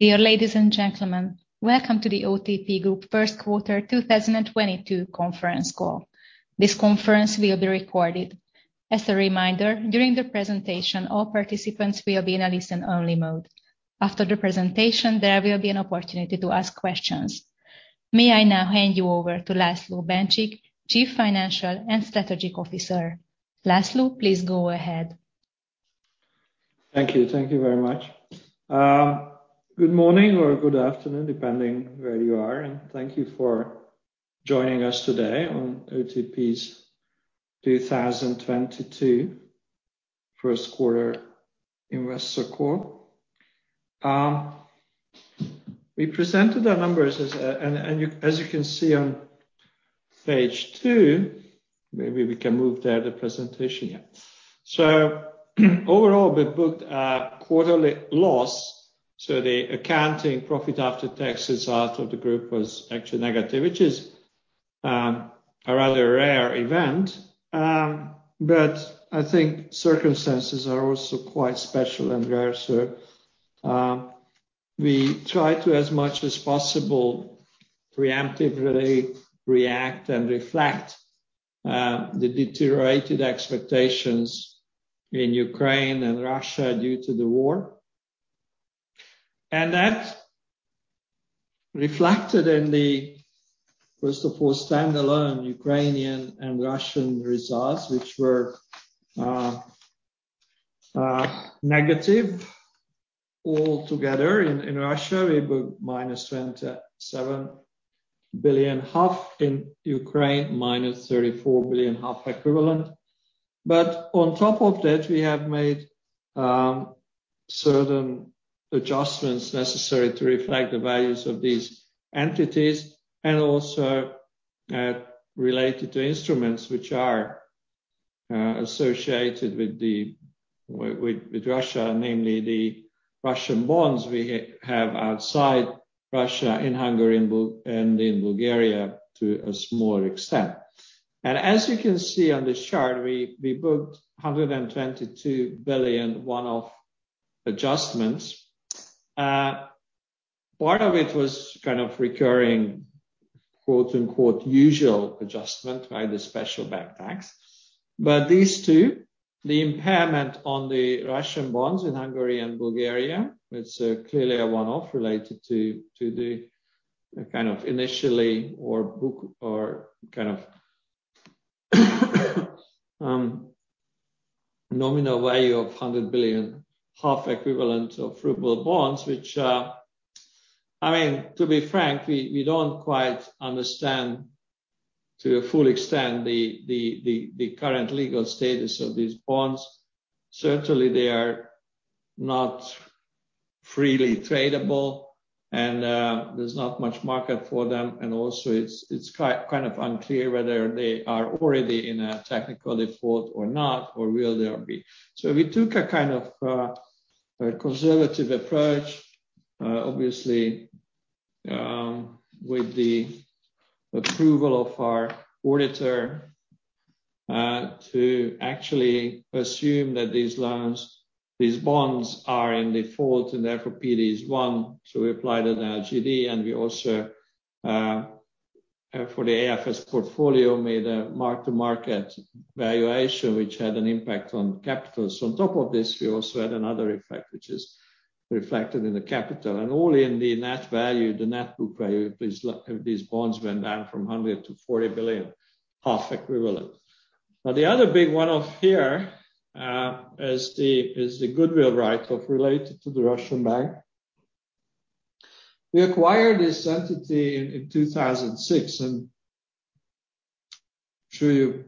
Dear ladies and gentlemen, welcome to the OTP Group Q1 2022 Conference Call. This conference will be recorded. As a reminder, during the presentation, all participants will be in a listen only mode. After the presentation, there will be an opportunity to ask questions. May I now hand you over to László Bencsik, Chief Financial and Strategic Officer. László, please go ahead. Thank you. Thank you very much. Good morning or good afternoon, depending where you are, and thank you for joining us today on OTP's 2022 first quarter investor call. We presented our numbers as you can see on page two, maybe we can move there the presentation. Yeah. Overall, we booked a quarterly loss. The accounting profit after taxes out of the group was actually negative, which is a rather rare event. I think circumstances are also quite special and rare. We try to as much as possible preemptively react and reflect the deteriorated expectations in Ukraine and Russia due to the war. That reflected in the first of all stand-alone Ukrainian and Russian results, which were negative all together. In Russia, we booked minus 27 billion. In Ukraine, minus 34 billion equivalent. On top of that, we have made certain adjustments necessary to reflect the values of these entities and also related to instruments which are associated with Russia, namely the Russian bonds we have outside Russia, in Hungary and in Bulgaria to a smaller extent. As you can see on this chart, we booked 122 billion one-off adjustments. Part of it was kind of recurring, quote-unquote, "usual adjustment" by the special bank tax. These two, the impairment on the Russian bonds in Hungary and Bulgaria, it's clearly a one-off related to the kind of initially or book or kind of nominal value of 100 billion equivalent of ruble bonds, which, I mean, to be frank, we don't quite understand to a full extent the current legal status of these bonds. Certainly they are not freely tradable and there's not much market for them, and also it's kind of unclear whether they are already in a technical default or not or will they ever be. We took a kind of a conservative approach, obviously, with the approval of our auditor, to actually assume that these loans, these bonds are in default and therefore PD is one. We applied an LGD, and we also for the AFS portfolio, made a mark-to-market valuation, which had an impact on capital. On top of this, we also had another effect, which is reflected in the capital. All in the net value, the net book value of these bonds went down from 100 billion to 40 billion equivalent. Now the other big one-off here is the goodwill write-off related to the Russian bank. We acquired this entity in 2006, and I'm sure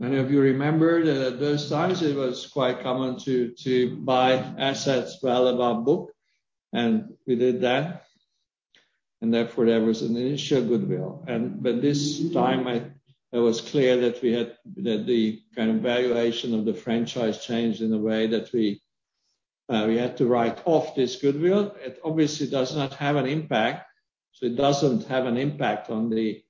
many of you remember that at those times it was quite common to buy assets well above book, and we did that, and therefore there was an initial goodwill. By this time it was clear that the kind of valuation of the franchise changed in the way that we had to write off this goodwill. It obviously does not have an impact. It doesn't have an impact on the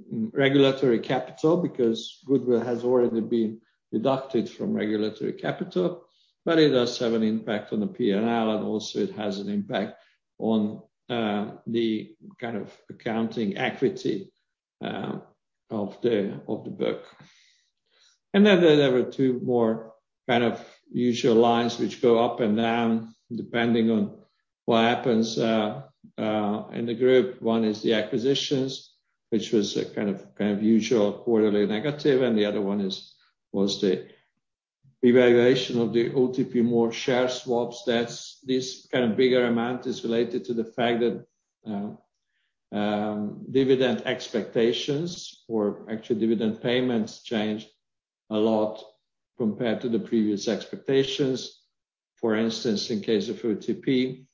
regulatory capital because goodwill has already been deducted from regulatory capital. It does have an impact on the P&L, and also it has an impact on the kind of accounting equity of the book. Then there were two more kind of usual lines which go up and down depending on what happens in the group. One is the acquisitions, which was a kind of usual quarterly negative, and the other one was the valuation of the OTP-MOL share swaps. That's this kind of bigger amount is related to the fact that dividend expectations or actual dividend payments changed a lot compared to the previous expectations. For instance, in case of OTP,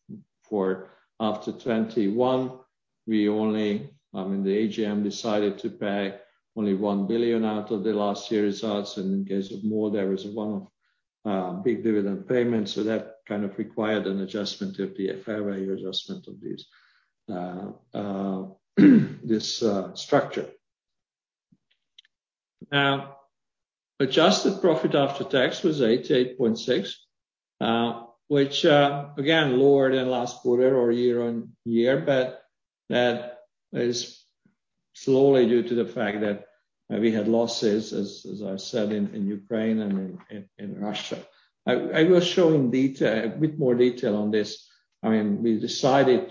after 2021, we only, I mean, the AGM decided to pay only 1 billion out of the last year results. In case of MOL, there is one of big dividend payments. That kind of required an adjustment of the fair value adjustment of this structure. Now, adjusted profit after tax was 88.6, which again lower than last quarter or year-on-year. That is solely due to the fact that we had losses as I said in Ukraine and in Russia. I will show in detail, a bit more detail on this. I mean, we decided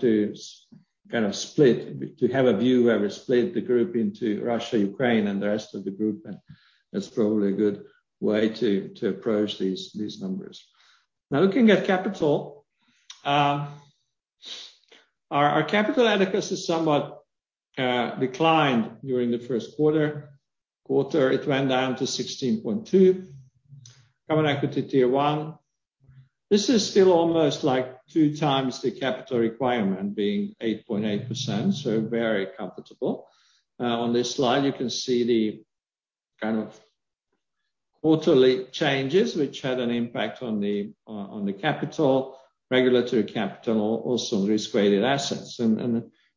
kind of split, to have a view where we split the group into Russia, Ukraine and the rest of the group, and that's probably a good way to approach these numbers. Now looking at capital, our capital adequacy somewhat declined during the first quarter. It went down to 16.2. Common Equity Tier 1. This is still almost, like, two times the capital requirement being 8.8%, so very comfortable. On this slide, you can see the kind of quarterly changes which had an impact on the capital, regulatory capital, also risk-weighted assets.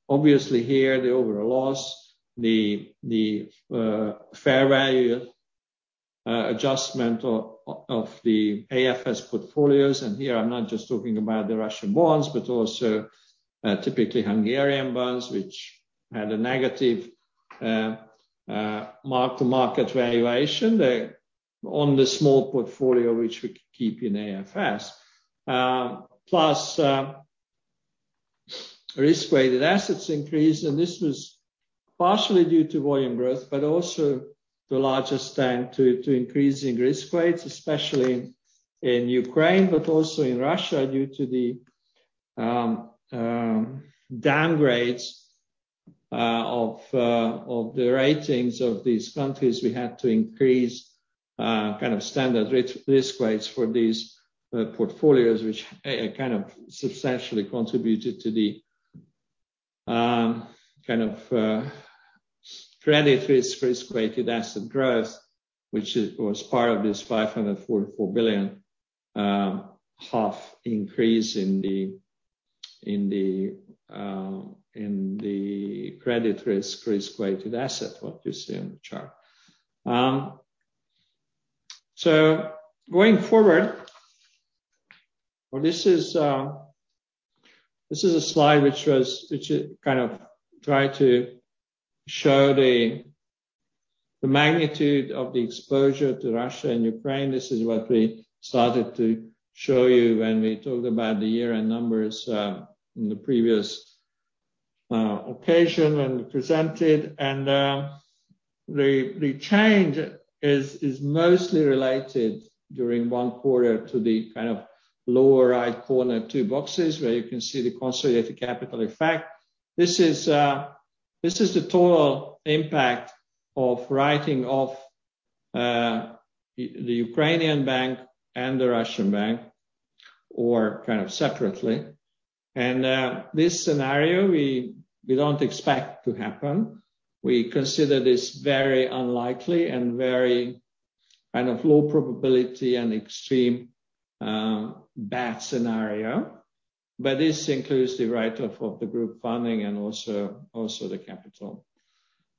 Obviously here, the overall loss, the fair value adjustment of the AFS portfolios. Here I'm not just talking about the Russian bonds, but also typically Hungarian bonds, which had a negative mark-to-market valuation on the small portfolio which we keep in AFS. Plus, risk-weighted assets increased, and this was partially due to volume growth, but also the largest thanks to increasing risk weights, especially in Ukraine, but also in Russia, due to the downgrades of the ratings of these countries. We had to increase kind of standard rate risk weights for these portfolios, which kind of substantially contributed to the kind of credit risk risk-weighted asset growth, which was part of this 544 billion increase in the credit risk risk-weighted asset what you see on the chart. This is a slide which kind of tried to show the magnitude of the exposure to Russia and Ukraine. This is what we started to show you when we talked about the year-end numbers in the previous occasion and presented. The change is mostly related during one quarter to the kind of lower right corner two boxes where you can see the consolidated capital effect. This is the total impact of writing off the Ukrainian bank and the Russian bank or kind of separately. This scenario we don't expect to happen. We consider this very unlikely and very kind of low probability and extreme bad scenario. This includes the write-off of the group funding and also the capital.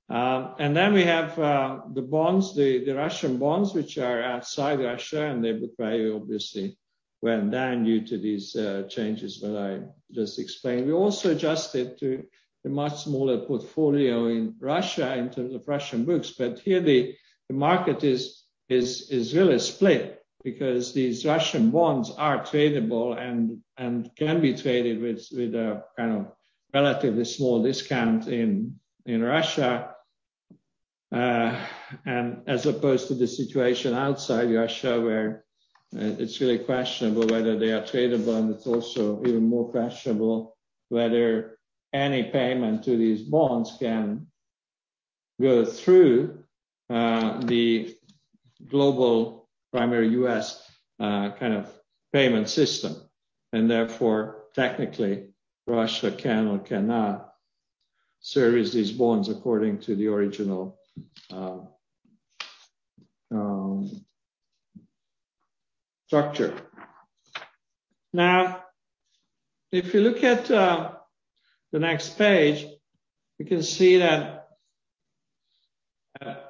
We have the bonds, the Russian bonds, which are outside Russia, and their value obviously went down due to these changes that I just explained. We also adjusted to the much smaller portfolio in Russia in terms of Russian books. Here the market is really split because these Russian bonds are tradable and can be traded with a kind of relatively small discount in Russia. As opposed to the situation outside Russia, where it's really questionable whether they are tradable, and it's also even more questionable whether any payment to these bonds can go through the global primary U.S. kind of payment system. Therefore, technically, Russia can or cannot service these bonds according to the original structure. Now, if you look at the next page, you can see that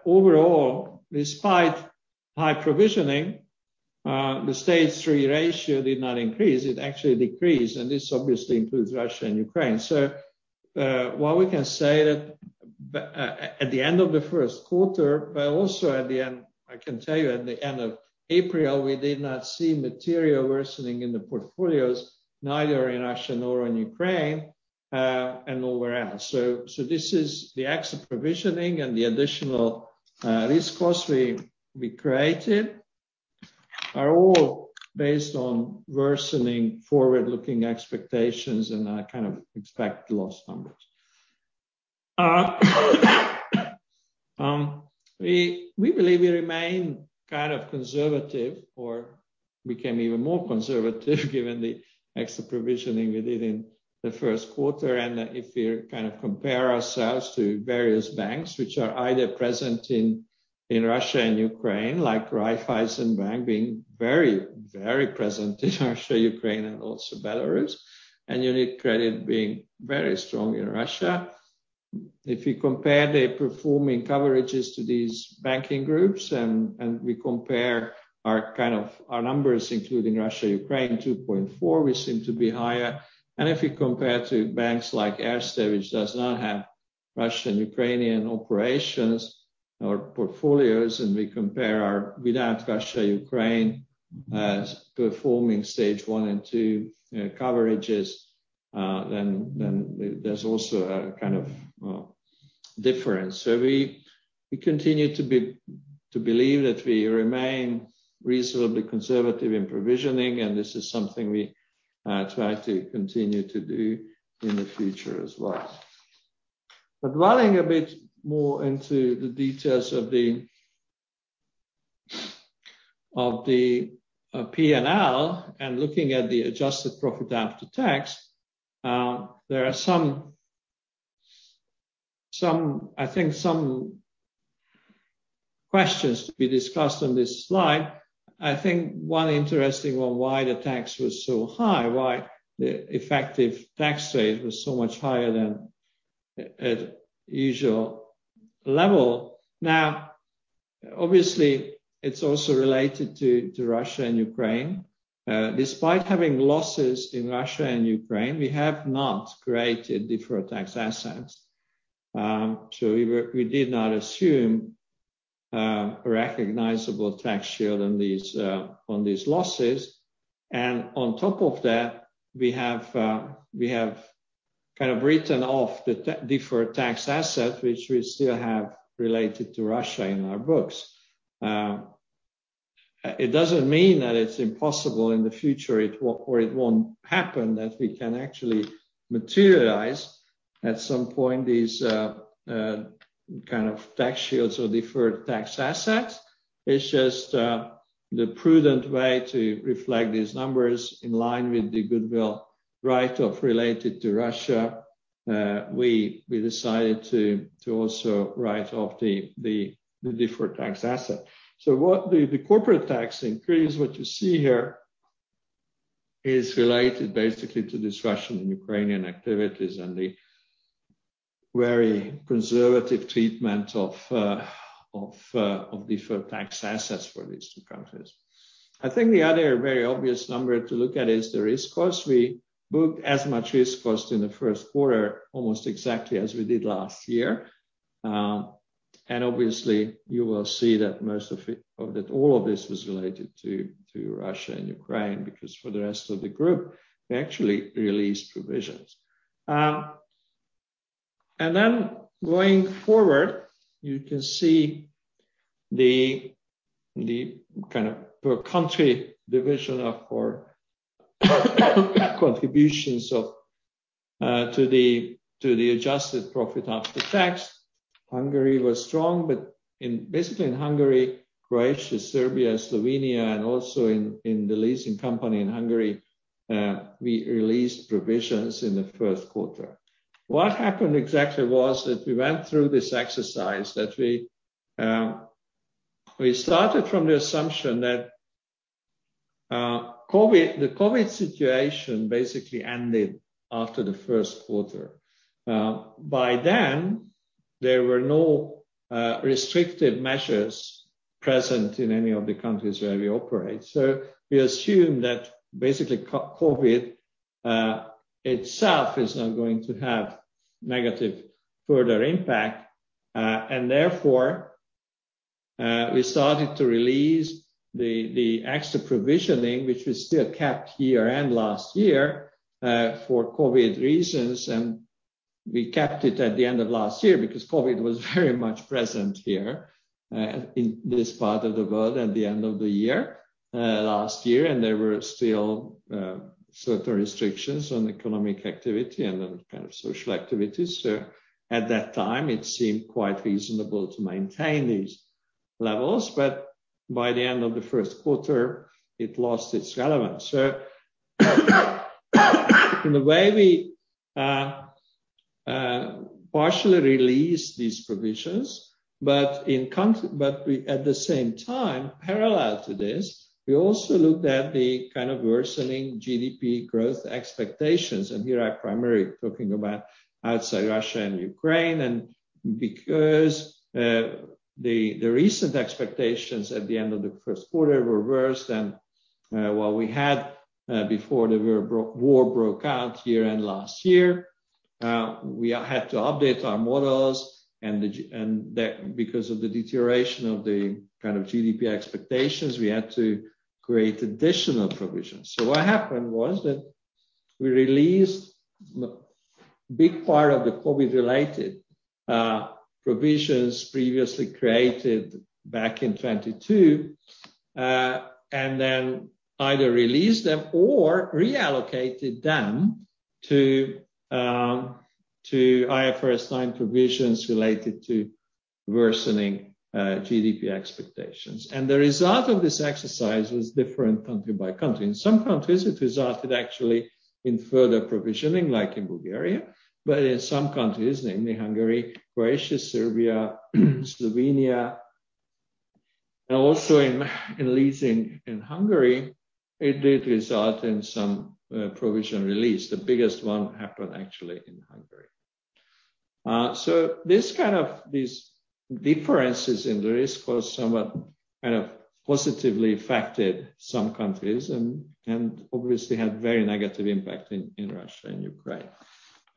overall, despite high provisioning, the Stage three ratio did not increase. It actually decreased. This obviously includes Russia and Ukraine. While we can say that at the end of the first quarter, but also at the end, I can tell you at the end of April, we did not see material worsening in the portfolios, neither in Russia nor in Ukraine, and nowhere else. This is the existing provisioning and the additional risk costs we created are all based on worsening forward-looking expectations, and expected loss numbers. We believe we remain kind of conservative or became even more conservative given the extra provisioning we did in the first quarter. If we kind of compare ourselves to various banks which are either present in Russia and Ukraine, like Raiffeisen Bank International being very present in Russia, Ukraine and also Belarus, and UniCredit being very strong in Russia. If you compare the performing coverages to these banking groups and we compare our kind of our numbers, including Russia, Ukraine 2.4%, we seem to be higher. If you compare to banks like Erste Group, which does not have Russian, Ukrainian operations or portfolios, and we compare our without Russia, Ukraine as performing Stage 1 and Stage 2 coverages, then there's also a kind of difference. We continue to believe that we remain reasonably conservative in provisioning, and this is something we try to continue to do in the future as well. Running a bit more into the details of the P&L and looking at the adjusted profit after tax, there are some questions to be discussed on this slide. I think one interesting one, why the tax was so high, why the effective tax rate was so much higher than at usual level. Now, obviously, it's also related to Russia and Ukraine. Despite having losses in Russia and Ukraine, we have not created deferred tax assets. So we did not assume a recognizable tax shield on these losses. On top of that, we have kind of written off the deferred tax asset, which we still have related to Russia in our books. It doesn't mean that it's impossible in the future or it won't happen, that we can actually materialize at some point these kind of tax shields or deferred tax assets. It's just the prudent way to reflect these numbers in line with the goodwill write-off related to Russia. We decided to also write off the deferred tax asset. What the corporate tax increase, what you see here is related basically to this Russian and Ukrainian activities and the very conservative treatment of deferred tax assets for these two countries. I think the other very obvious number to look at is the risk cost. We booked as much risk cost in the first quarter, almost exactly as we did last year. Obviously you will see that most of it or that all of this was related to Russia and Ukraine, because for the rest of the group, we actually released provisions. Then going forward, you can see the kind of per country division of our contributions to the adjusted profit after tax. Hungary was strong, but basically in Hungary, Croatia, Serbia, Slovenia and also in the leasing company in Hungary, we released provisions in the first quarter. What happened exactly was that we went through this exercise that we started from the assumption that the COVID situation basically ended after the first quarter. By then, there were no restrictive measures present in any of the countries where we operate. We assume that basically the COVID itself is not going to have negative further impact. Therefore, we started to release the extra provisioning, which we still kept this year and last year for COVID reasons. We kept it at the end of last year because COVID was very much present here in this part of the world at the end of the year last year. There were still certain restrictions on economic activity and then kind of social activities. At that time, it seemed quite reasonable to maintain these levels. By the end of the first quarter, it lost its relevance. In a way, we partially released these provisions. At the same time, parallel to this, we also looked at the kind of worsening GDP growth expectations. Here I'm primarily talking about outside Russia and Ukraine. Because the recent expectations at the end of the first quarter were worse than what we had before the war broke out year-end last year, we had to update our models because of the deterioration of the kind of GDP expectations, we had to create additional provisions. What happened was that we released the big part of the COVID-related provisions previously created back in 2022, and then either released them or reallocated them to IFRS 9 provisions related to worsening GDP expectations. The result of this exercise was different country by country. In some countries, it resulted actually in further provisioning, like in Bulgaria. In some countries, namely Hungary, Croatia, Serbia, Slovenia and also in leasing in Hungary, it did result in some provision release. The biggest one happened actually in Hungary. So this kind of these differences in the risk parameters somewhat kind of positively affected some countries and obviously had very negative impact in Russia and Ukraine.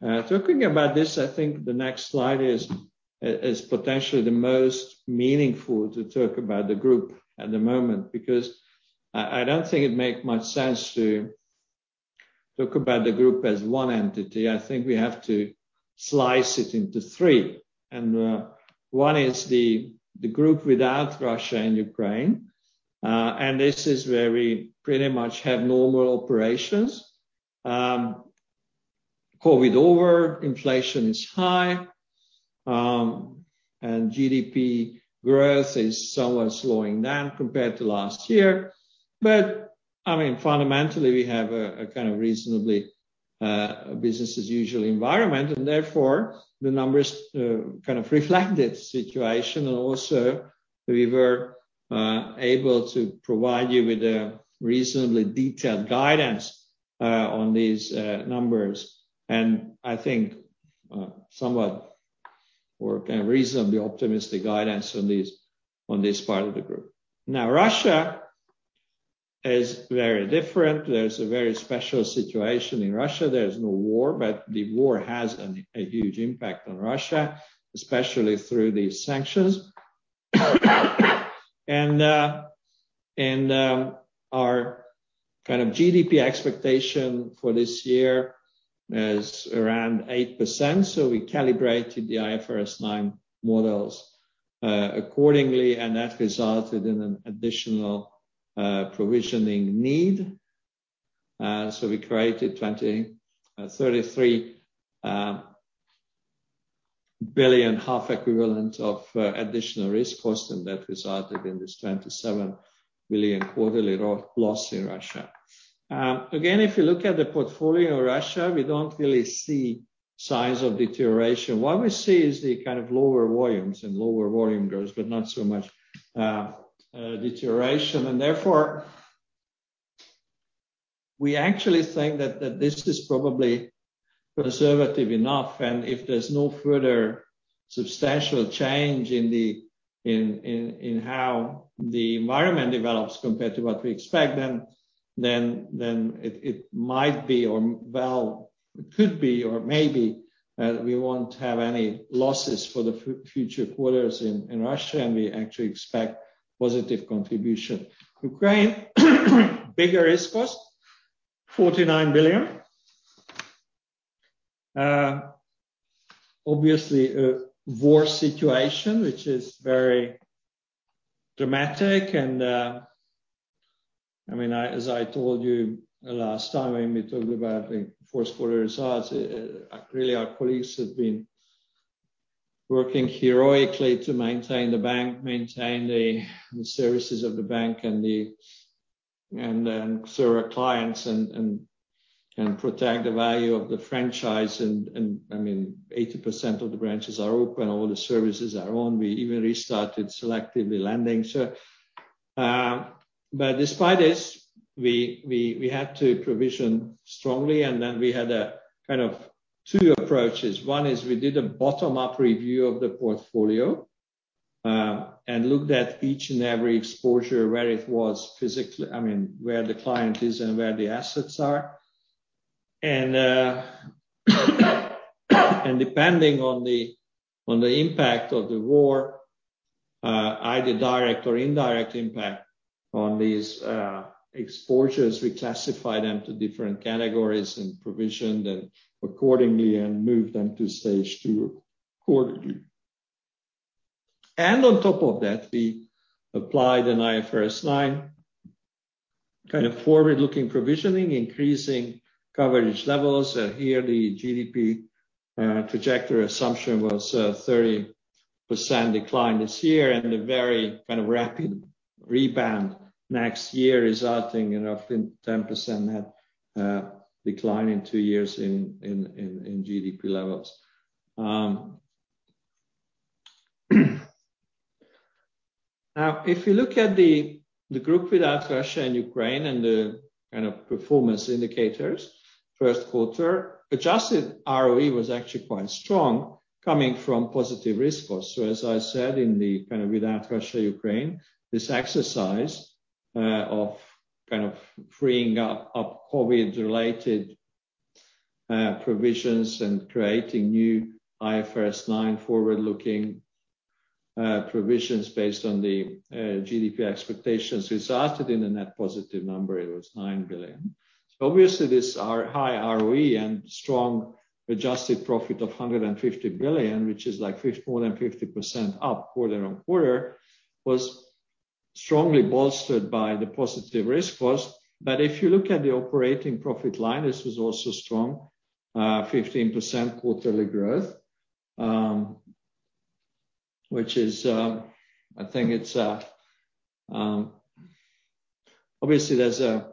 Talking about this, I think the next slide is potentially the most meaningful to talk about the group at the moment, because I don't think it'd make much sense to talk about the group as one entity. I think we have to slice it into three. One is the group without Russia and Ukraine. This is where we pretty much have normal operations. COVID over, inflation is high, and GDP growth is somewhat slowing down compared to last year. I mean, fundamentally, we have a kind of reasonably business as usual environment, and therefore the numbers kind of reflect that situation. Also we were able to provide you with a reasonably detailed guidance on these numbers. I think somewhat or reasonably optimistic guidance on this part of the group. Now, Russia is very different. There's a very special situation in Russia. There is no war, but the war has a huge impact on Russia, especially through these sanctions. Our kind of GDP expectation for this year is around 8%, so we calibrated the IFRS 9 models accordingly, and that resulted in an additional provisioning need. We created 23 billion HUF equivalent of additional risk cost, and that resulted in this 27 billion HUF quarterly loss in Russia. Again, if you look at the portfolio in Russia, we don't really see signs of deterioration. What we see is the kind of lower volumes and lower volume growth, but not so much deterioration. Therefore, we actually think that this is probably conservative enough, and if there's no further substantial change in how the environment develops compared to what we expect, then it might be or well, could be or may be, we won't have any losses for the future quarters in Russia, and we actually expect positive contribution. Ukraine, bigger risk cost, 49 billion HUF. Obviously a war situation, which is very dramatic and, I mean, I. As I told you last time when we talked about the fourth quarter results, really our colleagues have been working heroically to maintain the bank, maintain the services of the bank and serve our clients and protect the value of the franchise. I mean, 80% of the branches are open, all the services are on. We even restarted selectively lending. Despite this, we had to provision strongly, and then we had a kind of two approaches. One is we did a bottom-up review of the portfolio and looked at each and every exposure where it was physically, I mean, where the client is and where the assets are. Depending on the impact of the war, either direct or indirect impact on these exposures, we classify them to different categories and provisioned them accordingly and moved them to Stage 2 quarterly. On top of that, we applied an IFRS 9 kind of forward-looking provisioning, increasing coverage levels. Here the GDP trajectory assumption was 30% decline this year and a very kind of rapid rebound next year, resulting in a 10% net decline in two years in GDP levels. Now, if you look at the group without Russia and Ukraine and the kind of performance indicators, first quarter adjusted ROE was actually quite strong coming from positive risk costs. As I said, in the kind of without Russia, Ukraine, this exercise of kind of freeing up COVID related provisions and creating new IFRS 9 forward-looking provisions based on the GDP expectations resulted in a net positive number. It was 9 billion. Obviously this are high ROE and strong adjusted profit of 150 billion, which is like more than 50% up quarter-on-quarter, was strongly bolstered by the positive risk cost. If you look at the operating profit line, this was also strong, 15% quarterly growth, which is, I think it's, obviously, there's a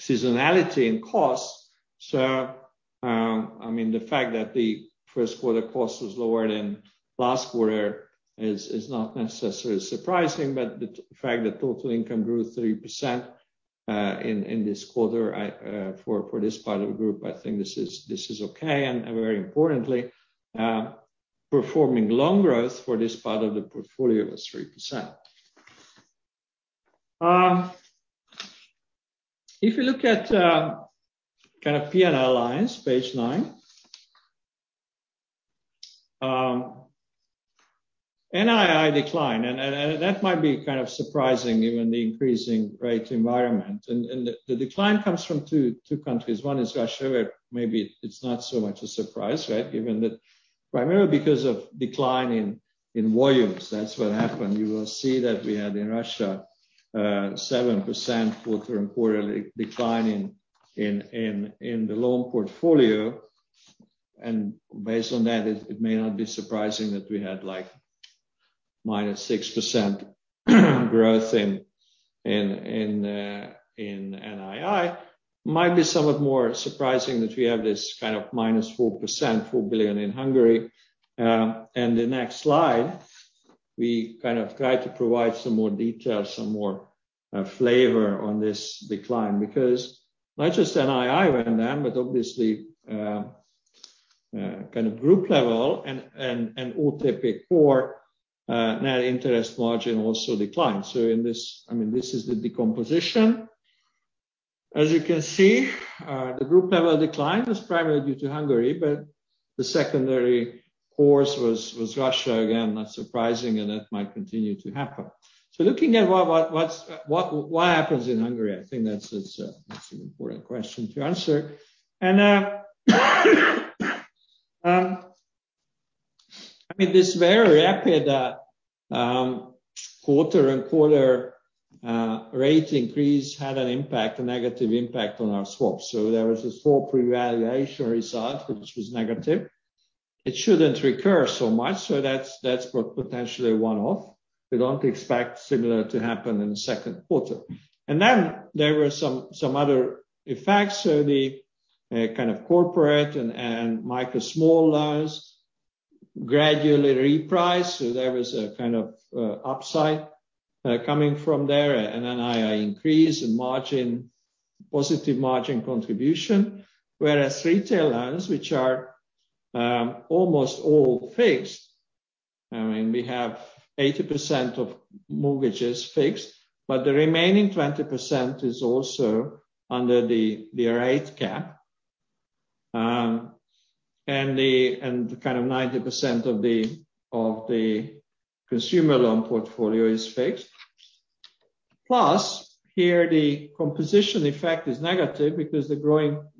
seasonality in cost. I mean, the fact that the first quarter cost was lower than last quarter is not necessarily surprising. The fact that total income grew 3% in this quarter for this part of the group. I think this is okay, and very importantly, performing loan growth for this part of the portfolio was 3%. If you look at kind of P&L lines, page nine. NII decline, and that might be kind of surprising given the increasing rate environment. The decline comes from two countries. One is Russia, where maybe it's not so much a surprise, right? Given that primarily because of decline in volumes, that's what happened. You will see that we had in Russia 7% quarter-on-quarter decline in the loan portfolio. Based on that, it may not be surprising that we had like -6% growth in NII. Might be somewhat more surprising that we have this kind of -4%, 4 billion HUF in Hungary. The next slide, we kind of try to provide some more detail, some more flavor on this decline because not just NII went down, but obviously kind of group level and OTP Core net interest margin also declined. I mean, this is the decomposition. As you can see, the group level decline was primarily due to Hungary, but the secondary cause was Russia. Again, not surprising, and that might continue to happen. Looking at what happens in Hungary, I think that's an important question to answer. I mean, this very rapid quarter-on-quarter rate increase had an impact, a negative impact on our swaps. There was a swap revaluation result, which was negative. It shouldn't recur so much, so that's potentially a one-off. We don't expect similar to happen in the Q2. There were some other effects. The kind of corporate and micro small loans gradually repriced, so there was a kind of upside coming from there. NII increase in margin, positive margin contribution, whereas retail loans, which are almost all fixed, I mean, we have 80% of mortgages fixed, but the remaining 20% is also under the rate cap. And kind of 90% of the consumer loan portfolio is fixed. Plus, here the composition effect is negative because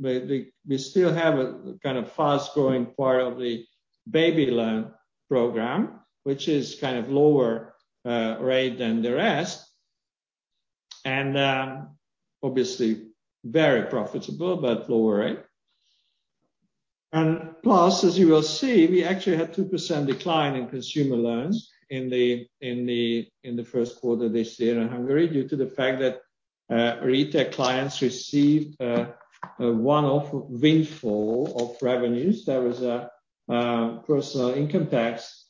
we still have a kind of fast-growing part of the baby loan program, which is kind of lower rate than the rest. Obviously very profitable, but lower rate. As you will see, we actually had a 2% decline in consumer loans in the first quarter this year in Hungary due to the fact that retail clients received a one-off windfall of revenues. There was a personal income tax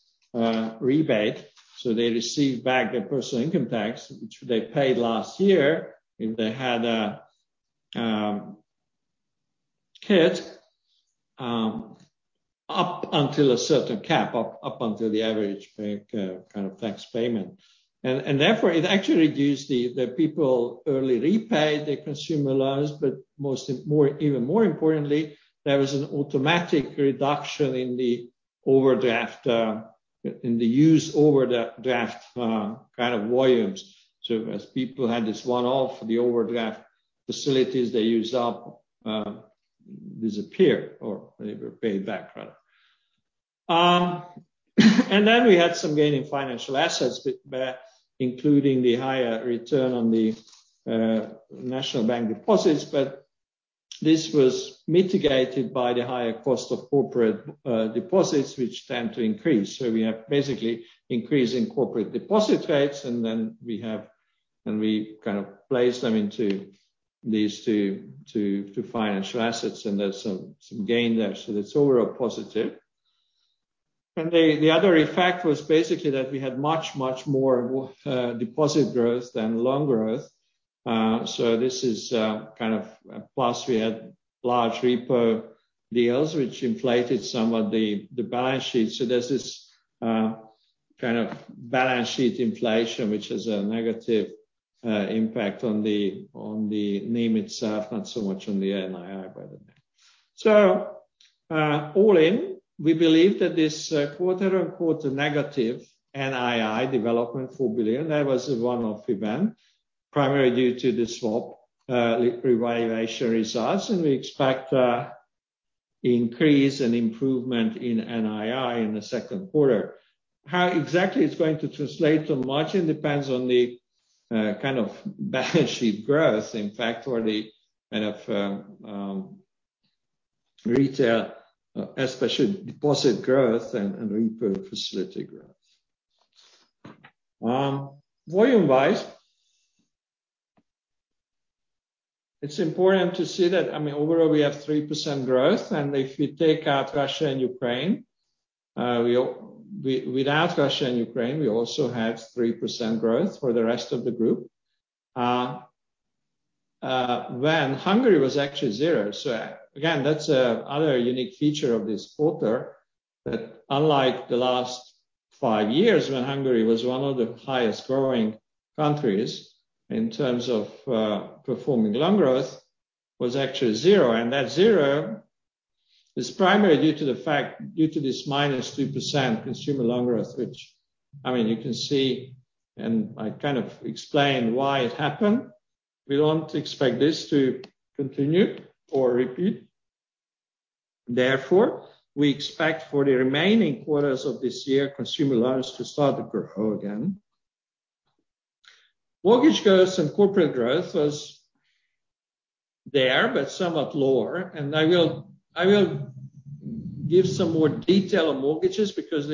rebate. They received back their personal income tax, which they paid last year, if they had hit up until a certain cap, up until the average pay kind of tax payment. Therefore, it actually reduced the people early repay their consumer loans, but even more importantly, there was an automatic reduction in the used overdraft kind of volumes. As people had this one-off, the overdraft facilities they used up disappear or they were paid back rather. Then we had some gain in financial assets including the higher return on the national bank deposits, but this was mitigated by the higher cost of corporate deposits, which tend to increase. We have basically increase in corporate deposit rates, and then we kind of place them into these two financial assets, and there's some gain there. That's overall positive. The other effect was basically that we had much more deposit growth than loan growth. This is kind of a plus. We had large repo deals which inflated some of the balance sheet. There's this kind of balance sheet inflation, which is a negative impact on the NIM itself, not so much on the NII by the way. All in, we believe that this quarter-on-quarter negative NII development, 4 billion, that was a one-off event, primarily due to the swap revaluation results. We expect increase and improvement in NII in the Q2. How exactly it's going to translate to margin depends on the kind of balance sheet growth. In fact, for the kind of retail, especially deposit growth and repo facility growth. Volume-wise, it's important to see that, I mean overall we have 3% growth. If you take out Russia and Ukraine, without Russia and Ukraine, we also have 3% growth for the rest of the group. When Hungary was actually zero, so again, that's another unique feature of this quarter. That unlike the last five years when Hungary was one of the highest growing countries in terms of performing loan growth, was actually zero. That zero is primarily due to the fact due to this -2% consumer loan growth. Which, I mean, you can see and I kind of explained why it happened. We don't expect this to continue or repeat. Therefore, we expect for the remaining quarters of this year, consumer loans to start to grow again. Mortgage growth and corporate growth was there, but somewhat lower. I will give some more detail on mortgages because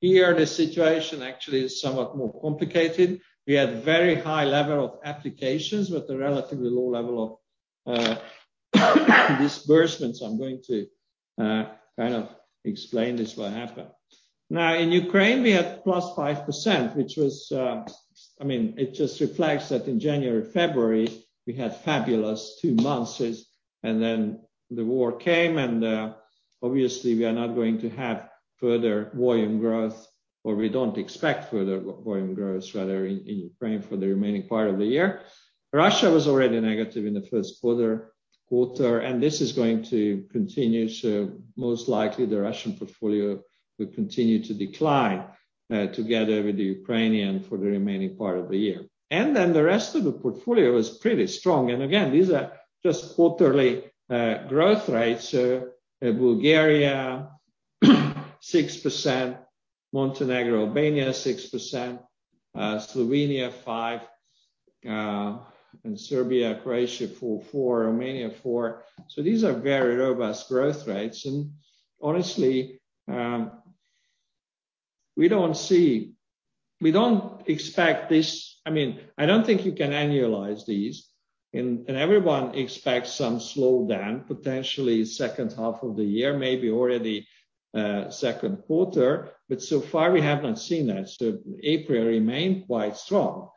here the situation actually is somewhat more complicated. We had very high level of applications with a relatively low level of disbursements. I'm going to kind of explain this will happen. Now, in Ukraine we had +5%, which was, I mean, it just reflects that in January, February we had fabulous two months. Then the war came and obviously we are not going to have further volume growth, or we don't expect further volume growth rather, in Ukraine for the remaining part of the year. Russia was already negative in the Q1, and this is going to continue, so most likely the Russian portfolio will continue to decline, together with the Ukrainian for the remaining part of the year. The rest of the portfolio is pretty strong. Again, these are just quarterly growth rates. Bulgaria, 6%, Montenegro, Albania 6%, Slovenia 5%, and Serbia, Croatia 4%, Romania 4%. These are very robust growth rates. Honestly, we don't expect this. I mean, I don't think you can annualize these. Everyone expects some slowdown, potentially 2H of the year, maybe already,Q2. So far we have not seen that, so April remained quite strong.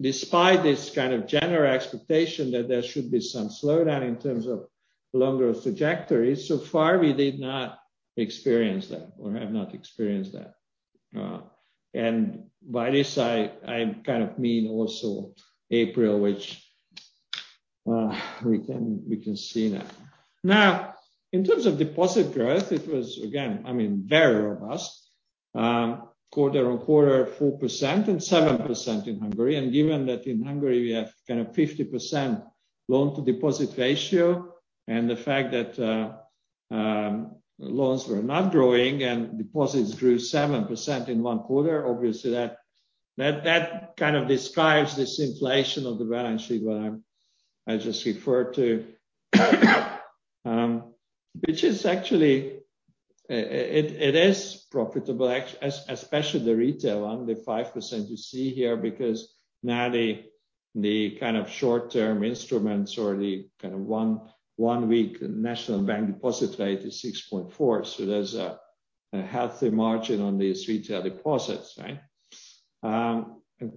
Despite this kind of general expectation that there should be some slowdown in terms of loan growth trajectories, so far we did not experience that or have not experienced that. By this I kind of mean also April, which we can see now. Now, in terms of deposit growth, it was again, I mean very robust. Quarter-on-quarter 4% and 7% in Hungary. Given that in Hungary we have kind of 50% loan to deposit ratio, and the fact that loans were not growing and deposits grew 7% in one quarter, obviously that kind of describes this inflation of the balance sheet what I just referred to. Which is actually, it is profitable especially the retail arm, the 5% you see here, because now the kind of short-term instruments or the kind of one week national bank deposit rate is 6.4%. There's a healthy margin on these retail deposits, right?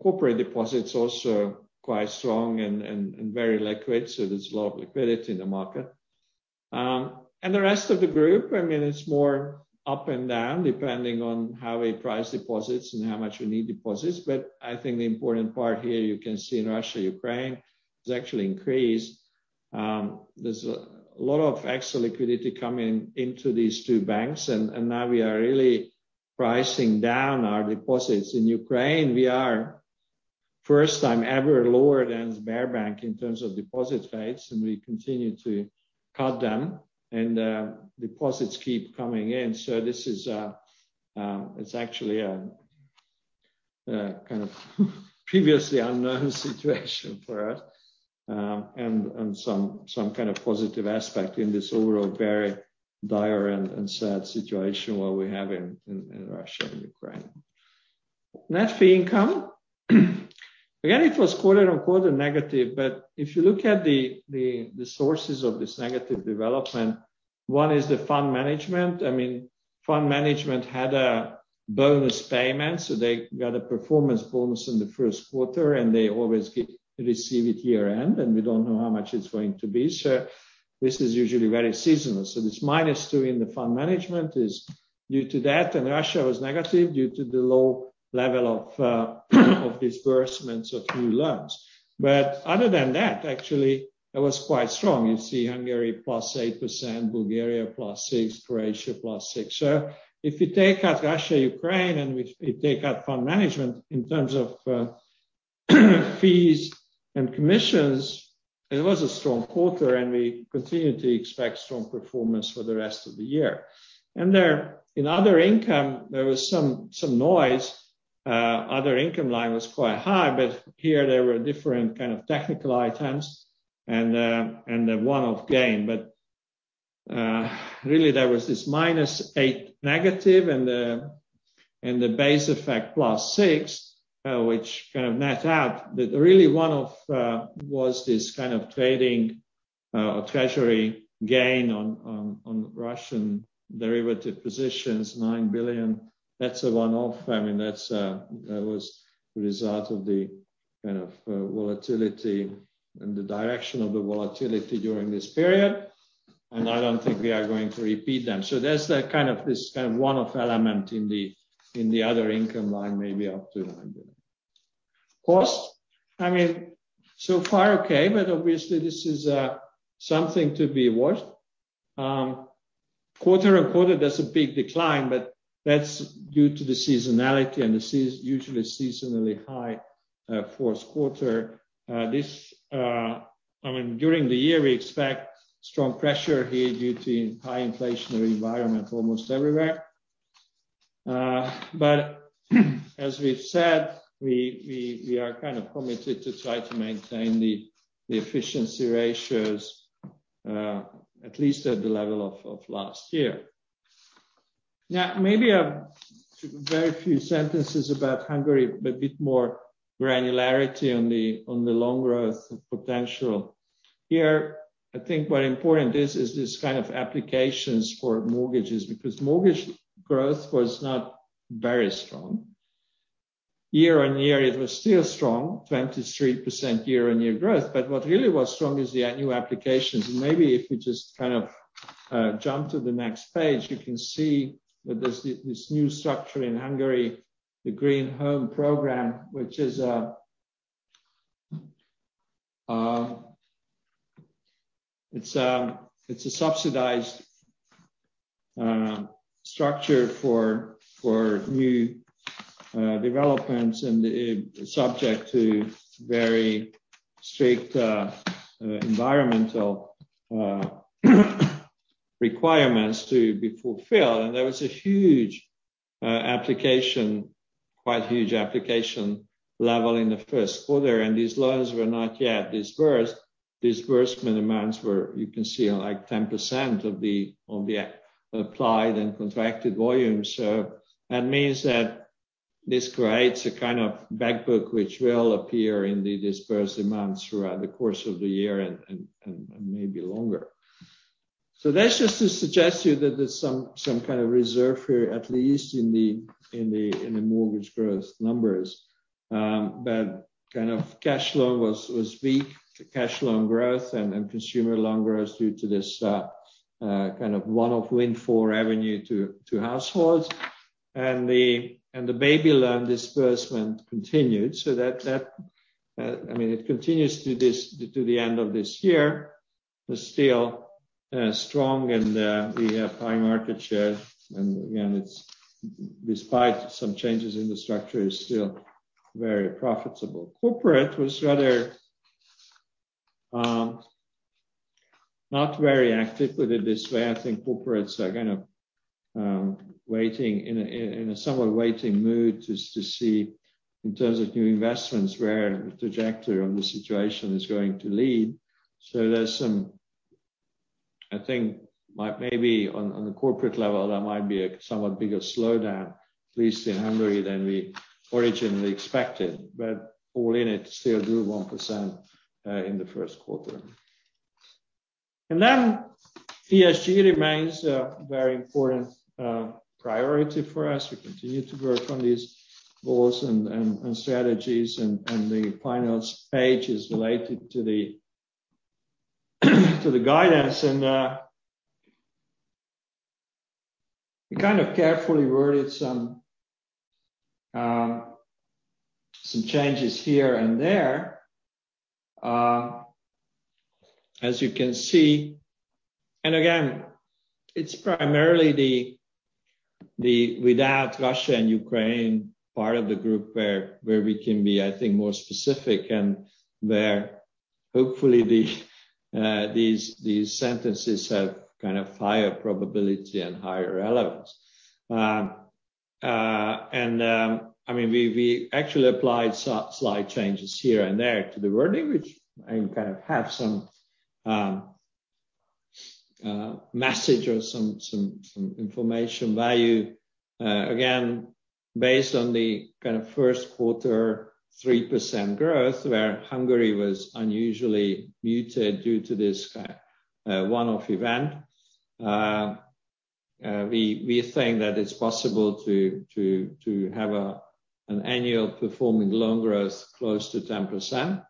Corporate deposits also quite strong and very liquid, so there's a lot of liquidity in the market. The rest of the group, I mean, it's more up and down depending on how we price deposits and how much we need deposits. I think the important part here you can see in Russia, Ukraine has actually increased. There's a lot of extra liquidity coming into these two banks and now we are really pricing down our deposits. In Ukraine, we are first time ever lower than Sberbank in terms of deposit rates, and we continue to cut them and, deposits keep coming in. This is, it's actually a kind of previously unknown situation for us. And some kind of positive aspect in this overall very dire and sad situation that we have in Russia and Ukraine. Net fee income. Again, it was quarter-on-quarter negative, but if you look at the sources of this negative development, one is the fund management. I mean, fund management had a bonus payment, so they got a performance bonus in the Q1 and they always receive it year-end, and we don't know how much it's going to be. This is usually very seasonal. This -2 in the fund management is due to that, and Russia was negative due to the low level of disbursements of new loans. Other than that, actually it was quite strong. You see Hungary +8%, Bulgaria +6%, Croatia +6%. If you take out Russia, Ukraine and we take out fund management in terms of fees and commissions, it was a strong quarter and we continue to expect strong performance for the rest of the year. Then in other income there was some noise. Other income line was quite high, but here there were different kind of technical items and the one-off gain. Really there was this -8 negative and the base effect +6, which kind of net out. Really one of was this kind of trading treasury gain on Russian derivative positions, 9 billion. That's a one-off. I mean, that was a result of the kind of volatility and the direction of the volatility during this period, and I don't think we are going to repeat them. So that's this kind of one-off element in the other income line, maybe up to 9 billion. Cost, I mean, so far, okay, but obviously this is something to be watched. Quarter-on-quarter, that's a big decline, but that's due to the seasonality and usually seasonally high Q4. I mean, during the year, we expect strong pressure here due to high inflationary environment almost everywhere. As we've said, we are kind of committed to try to maintain the efficiency ratios at least at the level of last year. Now, maybe a very few sentences about Hungary, but a bit more granularity on the loan growth potential. Here, I think what important is this kind of applications for mortgages, because mortgage growth was not very strong. Year-on-year, it was still strong, 23% year-on-year growth. What really was strong is the annual applications. Maybe if you just kind of jump to the next page, you can see that there's this new structure in Hungary, the Green Home Programme, which is a subsidized structure for new developments and subject to very strict environmental requirements to be fulfilled. There was a huge application, quite huge application level in the Q1, and these loans were not yet disbursed. Disbursement amounts were, you can see, like 10% of the applied and contracted volumes. That means that this creates a kind of backlog which will appear in the disbursed amounts throughout the course of the year and maybe longer. That's just to suggest to you that there's some kind of reserve here, at least in the mortgage growth numbers. But kind of cash loan was weak. Cash loan growth and consumer loan growth due to this kind of one-off windfall from rebate to households. The baby loan disbursement continued. I mean, it continues to the end of this year, but still strong and we have high market share. Again, it's despite some changes in the structure, it's still very profitable. Corporate was rather not very active, put it this way. I think corporates are kind of waiting in a somewhat waiting mood just to see, in terms of new investments, where the trajectory of the situation is going to lead. So there's some. I think there might be, on a corporate level, a somewhat bigger slowdown, at least in Hungary, than we originally expected. But all in, it's still grew 1% in the Q1. Then ESG remains a very important priority for us. We continue to work on these goals and strategies and the final page is related to the guidance and we kind of carefully worded some changes here and there, as you can see. Again, it's primarily the without Russia and Ukraine part of the group where we can be, I think, more specific and where hopefully these sentences have kind of higher probability and higher relevance. I mean, we actually applied slight changes here and there to the wording, which I kind of have some message or some information value. Again, based on the kind of Q1 3% growth where Hungary was unusually muted due to this one-off event, we think that it's possible to have an annual performing loan growth close to 10%.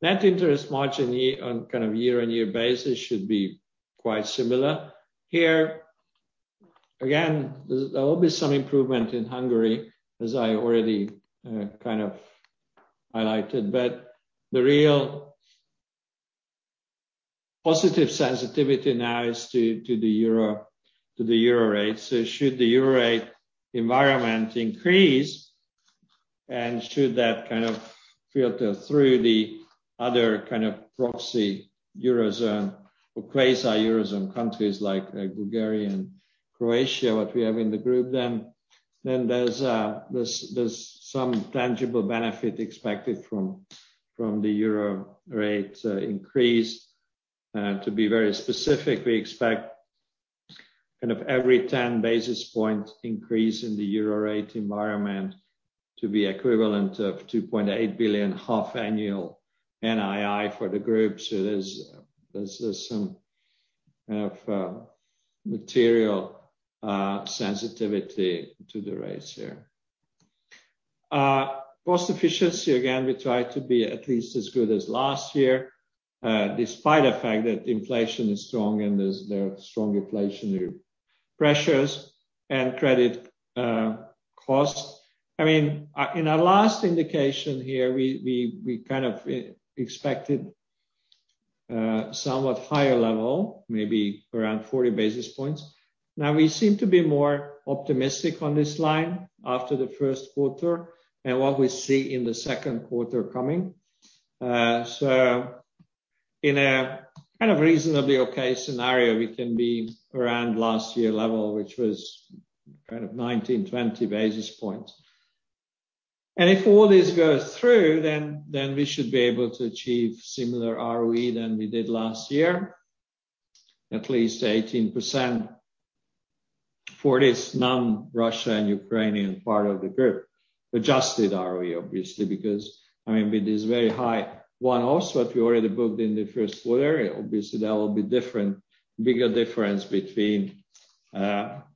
Net interest margin year on kind of year on year basis should be quite similar. Here, again, there will be some improvement in Hungary, as I already kind of highlighted. The real positive sensitivity now is to the euro, to the euro rate. Should the euro rate environment increase and should that kind of filter through the other kind of proxy Eurozone or quasi Eurozone countries like Bulgaria and Croatia, what we have in the group, then there's some tangible benefit expected from the euro rate increase. To be very specific, we expect kind of every 10 basis point increase in the euro rate environment to be equivalent of 2.8 billion annual NII for the group. There's just some kind of material sensitivity to the rates here. Cost efficiency, again, we try to be at least as good as last year, despite the fact that inflation is strong and there are strong inflationary pressures and credit costs. I mean, in our last indication here, we kind of expected somewhat higher level, maybe around 40 basis points. Now we seem to be more optimistic on this line after the Q1 and what we see in the Q2 coming. In a kind of reasonably okay scenario, we can be around last year level, which was kind of 19-20 basis points. If all this goes through, then we should be able to achieve similar ROE than we did last year, at least 18% for this non-Russia and Ukrainian part of the group. Adjusted ROE, obviously, because, I mean, with this very high one-offs that we already booked in the Q1, obviously, there will be different bigger difference between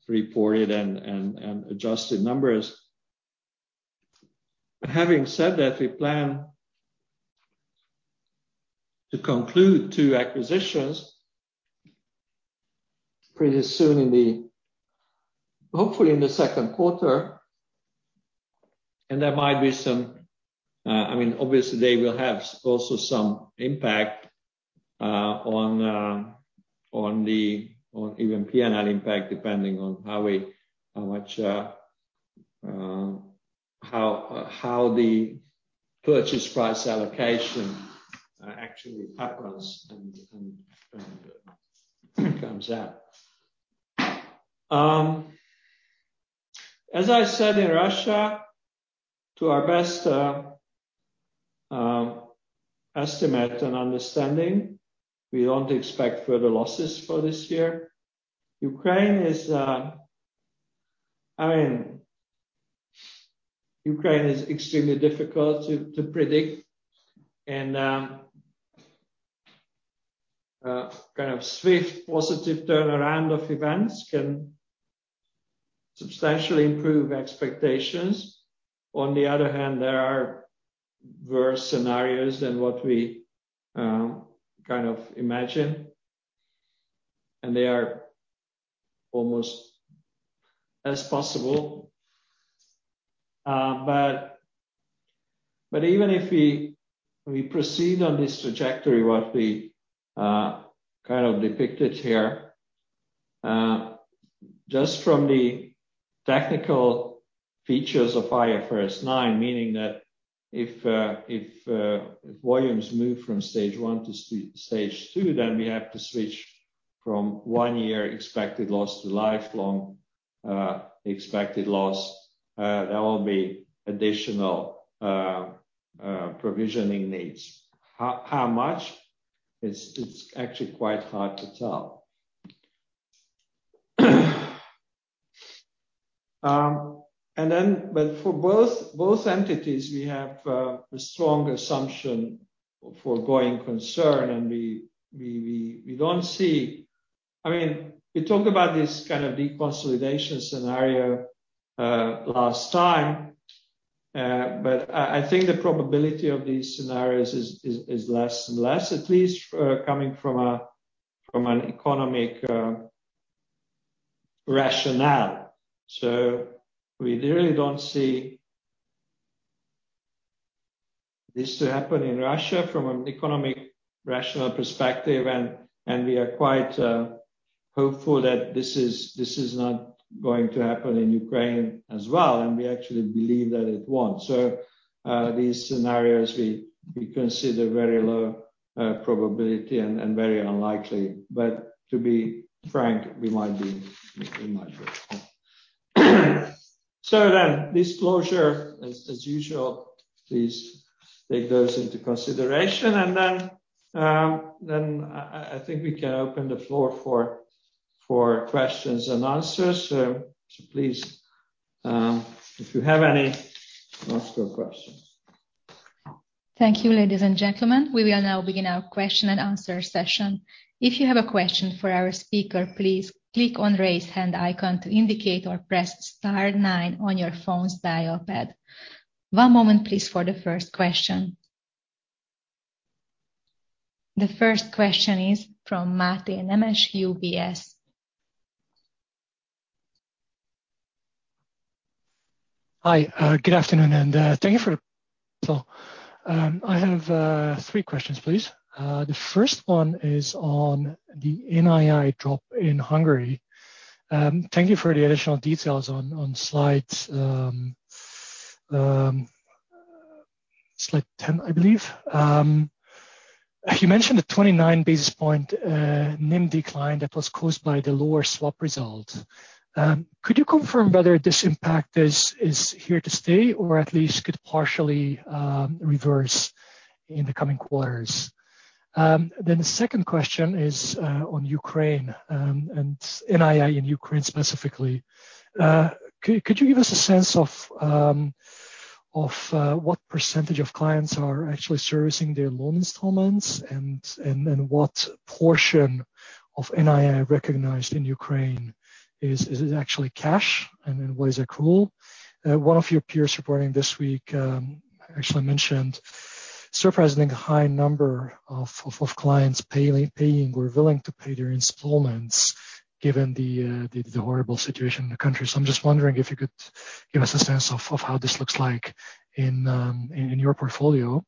reported and adjusted numbers. Having said that, we plan to conclude two acquisitions pretty soon hopefully in the Q2. There might be some, I mean, obviously, they will have also some impact on even P&L impact, depending on how we. How the purchase price allocation actually happens and comes out. As I said in Russia, to our best estimate and understanding, we don't expect further losses for this year. I mean, Ukraine is extremely difficult to predict. Kind of swift positive turnaround of events can substantially improve expectations. On the other hand, there are worse scenarios than what we kind of imagine, and they are almost as possible. Even if we proceed on this trajectory, what we kind of depicted here, just from the technical features of IFRS 9, meaning that if volumes move from Stage 1 to Stage 2, then we have to switch from one-year expected loss to lifetime expected loss. There will be additional provisioning needs. It's actually quite hard to tell. For both entities, we have a strong assumption for going concern. I mean, we talked about this kind of deconsolidation scenario last time. I think the probability of these scenarios is less and less, at least coming from an economic rationale. We really don't see this to happen in Russia from an economic rationale perspective, and we are quite hopeful that this is not going to happen in Ukraine as well, and we actually believe that it won't. These scenarios we consider very low probability and very unlikely. To be frank, we might be wrong. Disclosure, as usual, please take those into consideration. I think we can open the floor for questions and answers. Please, if you have any, ask your questions. Thank you, ladies and gentlemen. We will now begin our question and answer session. If you have a question for our speaker, please click on raise hand icon to indicate or press star nine on your phone's dial pad. One moment please for the first question. The first question is from Máté Nemes, UBS. Hi. Good afternoon, and thank you for the. I have three questions, please. The first one is on the NII drop in Hungary. Thank you for the additional details on slide 10, I believe. You mentioned the 29 basis point NIM decline that was caused by the lower swap result. Could you confirm whether this impact is here to stay or at least could partially reverse in the coming quarters? The second question is on Ukraine, and NII in Ukraine specifically. Could you give us a sense of what percentage of clients are actually servicing their loan installments and what portion of NII recognized in Ukraine is it actually cash, and then what is accrual? One of your peers reporting this week actually mentioned surprisingly high number of clients paying or willing to pay their installments given the horrible situation in the country. I'm just wondering if you could give us a sense of how this looks like in your portfolio.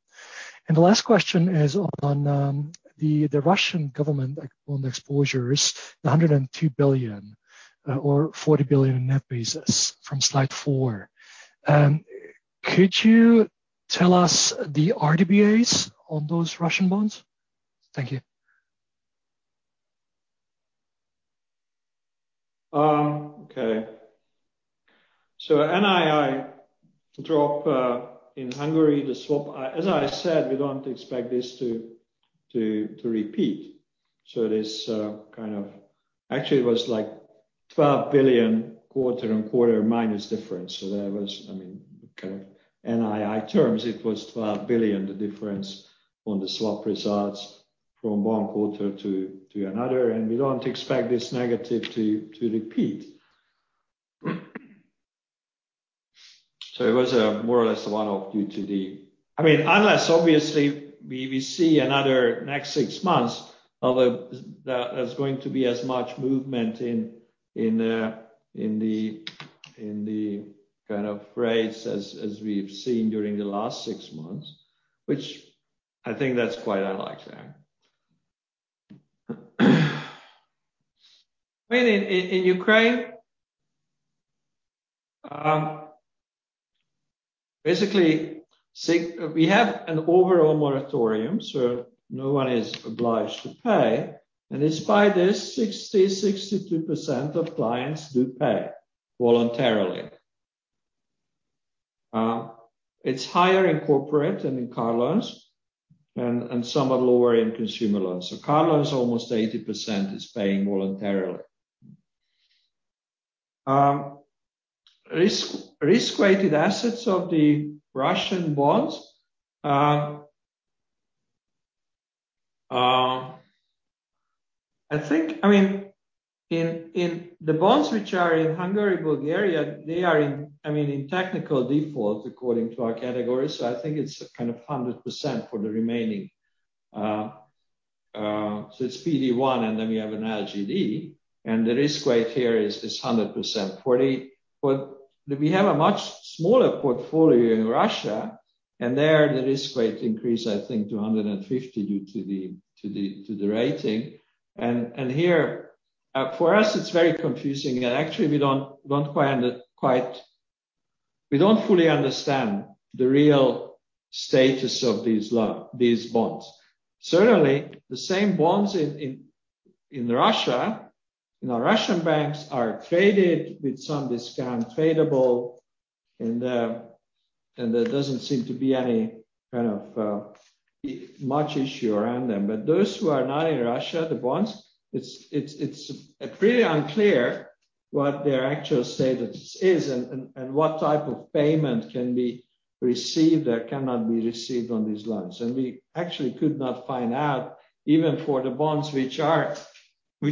The last question is on the Russian government on the exposures, the 102 billion or 40 billion net basis from slide 4. Could you tell us the RWAs on those Russian bonds? Thank you. Okay. NII drop in Hungary, the swap. As I said, we don't expect this to repeat. Actually it was like 12 billion quarter-on-quarter minus difference. That was, I mean, kind of in NII terms, it was 12 billion, the difference on the swap results from one quarter to another. We don't expect this negative to repeat. It was more or less one-off due to the. I mean, unless obviously we see another next six months, although that there's going to be as much movement in the kind of rates as we've seen during the last six months, which I think that's quite unlikely. I mean, in Ukraine, basically since we have an overall moratorium, so no one is obliged to pay. Despite this, 62% of clients do pay voluntarily. It's higher in corporate and in car loans and somewhat lower in consumer loans. Car loans, almost 80% is paying voluntarily. Risk-weighted assets of the Russian bonds, I think, I mean, in the bonds which are in Hungary, Bulgaria, they are in technical default according to our category, so I think it's kind of 100% for the remaining. So it's PD one, and then we have an LGD, and the risk weight here is 140%, but we have a much smaller portfolio in Russia, and there the risk weight increases, I think, to 150 due to the rating. Here, for us, it's very confusing. Actually, we don't fully understand the real status of these bonds. Certainly, the same bonds in Russia, you know, Russian bonds are traded with some discount tradable and there doesn't seem to be any kind of much issue around them. Those who are not in Russia, the bonds, it's pretty unclear what their actual status is and what type of payment can be received or cannot be received on these loans. We actually could not find out even for the bonds which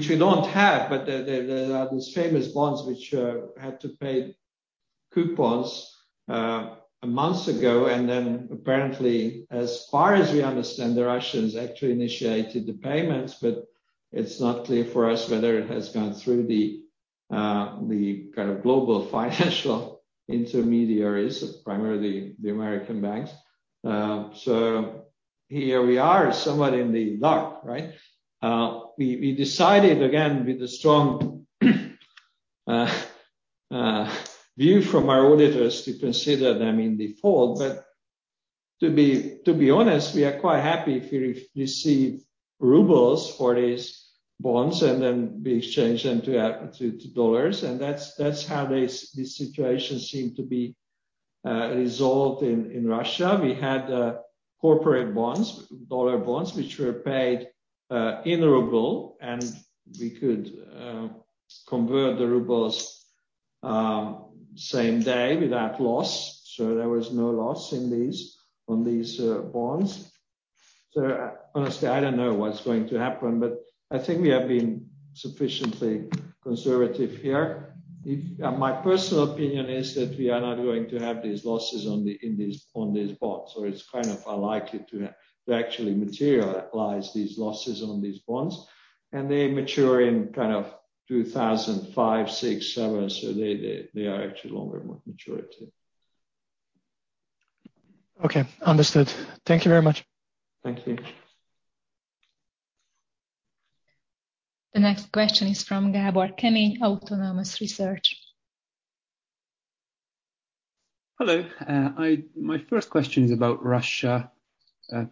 we don't have, but those famous bonds which had to pay coupons months ago. Then apparently, as far as we understand, the Russians actually initiated the payments, but it's not clear for us whether it has gone through the kind of global financial intermediaries, primarily the American banks. Here we are, somewhat in the dark, right? We decided, again, with the strong view from our auditors to consider them in default. To be honest, we are quite happy if we receive rubles for these bonds and then we exchange them to dollars. That's how this situation seemed to be resolved in Russia. We had corporate bonds, dollar bonds, which were paid in ruble, and we could convert the rubles same day without loss. There was no loss on these bonds. Honestly, I don't know what's going to happen, but I think we have been sufficiently conservative here. My personal opinion is that we are not going to have these losses on these bonds, or it's kind of unlikely to actually materialize these losses on these bonds. They mature in kind of 2005, 2006, 2007. They are actually longer maturity. Okay. Understood. Thank you very much. Thank you. The next question is from Gabor Kemeny, Autonomous Research. Hello. My first question is about Russia.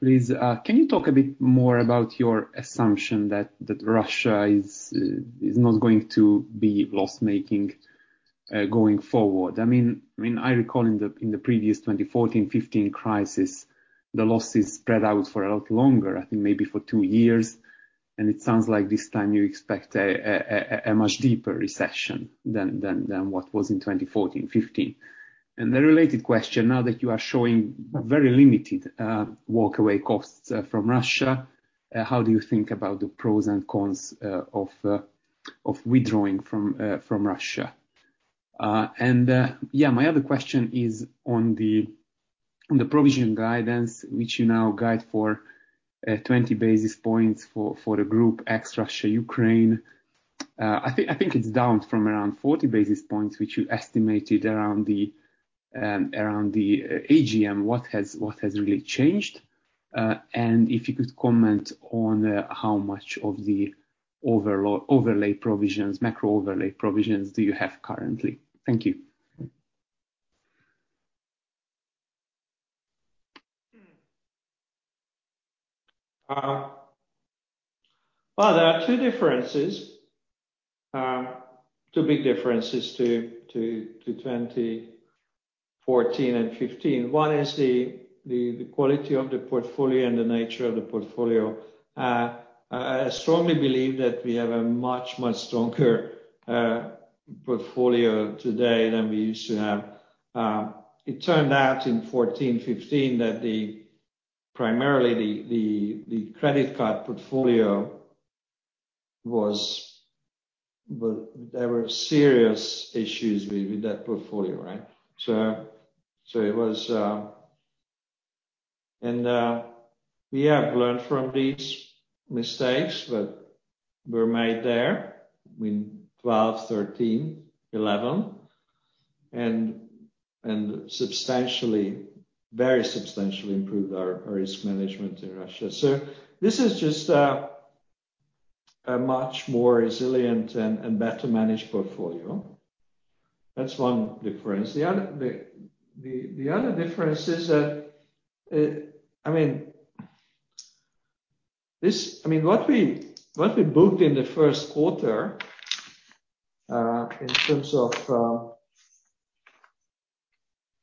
Please, can you talk a bit more about your assumption that Russia is not going to be loss-making, going forward? I mean, I recall in the previous 2014, 2015 crisis, the losses spread out for a lot longer, I think maybe for 2 years. It sounds like this time you expect a much deeper recession than what was in 2014, 2015. The related question, now that you are showing very limited walk away costs from Russia, how do you think about the pros and cons of withdrawing from Russia? Yeah, my other question is on the provision guidance, which you now guide for 20 basis points for the group ex Russia-Ukraine. I think it's down from around 40 basis points, which you estimated around the AGM. What has really changed? If you could comment on how much of the overlay provisions, macro overlay provisions do you have currently? Thank you. There are two differences, two big differences to 2014 and 2015. One is the quality of the portfolio and the nature of the portfolio. I strongly believe that we have a much, much stronger portfolio today than we used to have. It turned out in 2014, 2015 that primarily the credit card portfolio was well, there were serious issues with that portfolio, right? So it was. We have learned from these mistakes that were made there in 2012, 2013, 2011, and substantially, very substantially improved our risk management in Russia. This is just a much more resilient and better managed portfolio. That is one difference. The other difference is that, I mean, what we booked in the first quarter, in terms of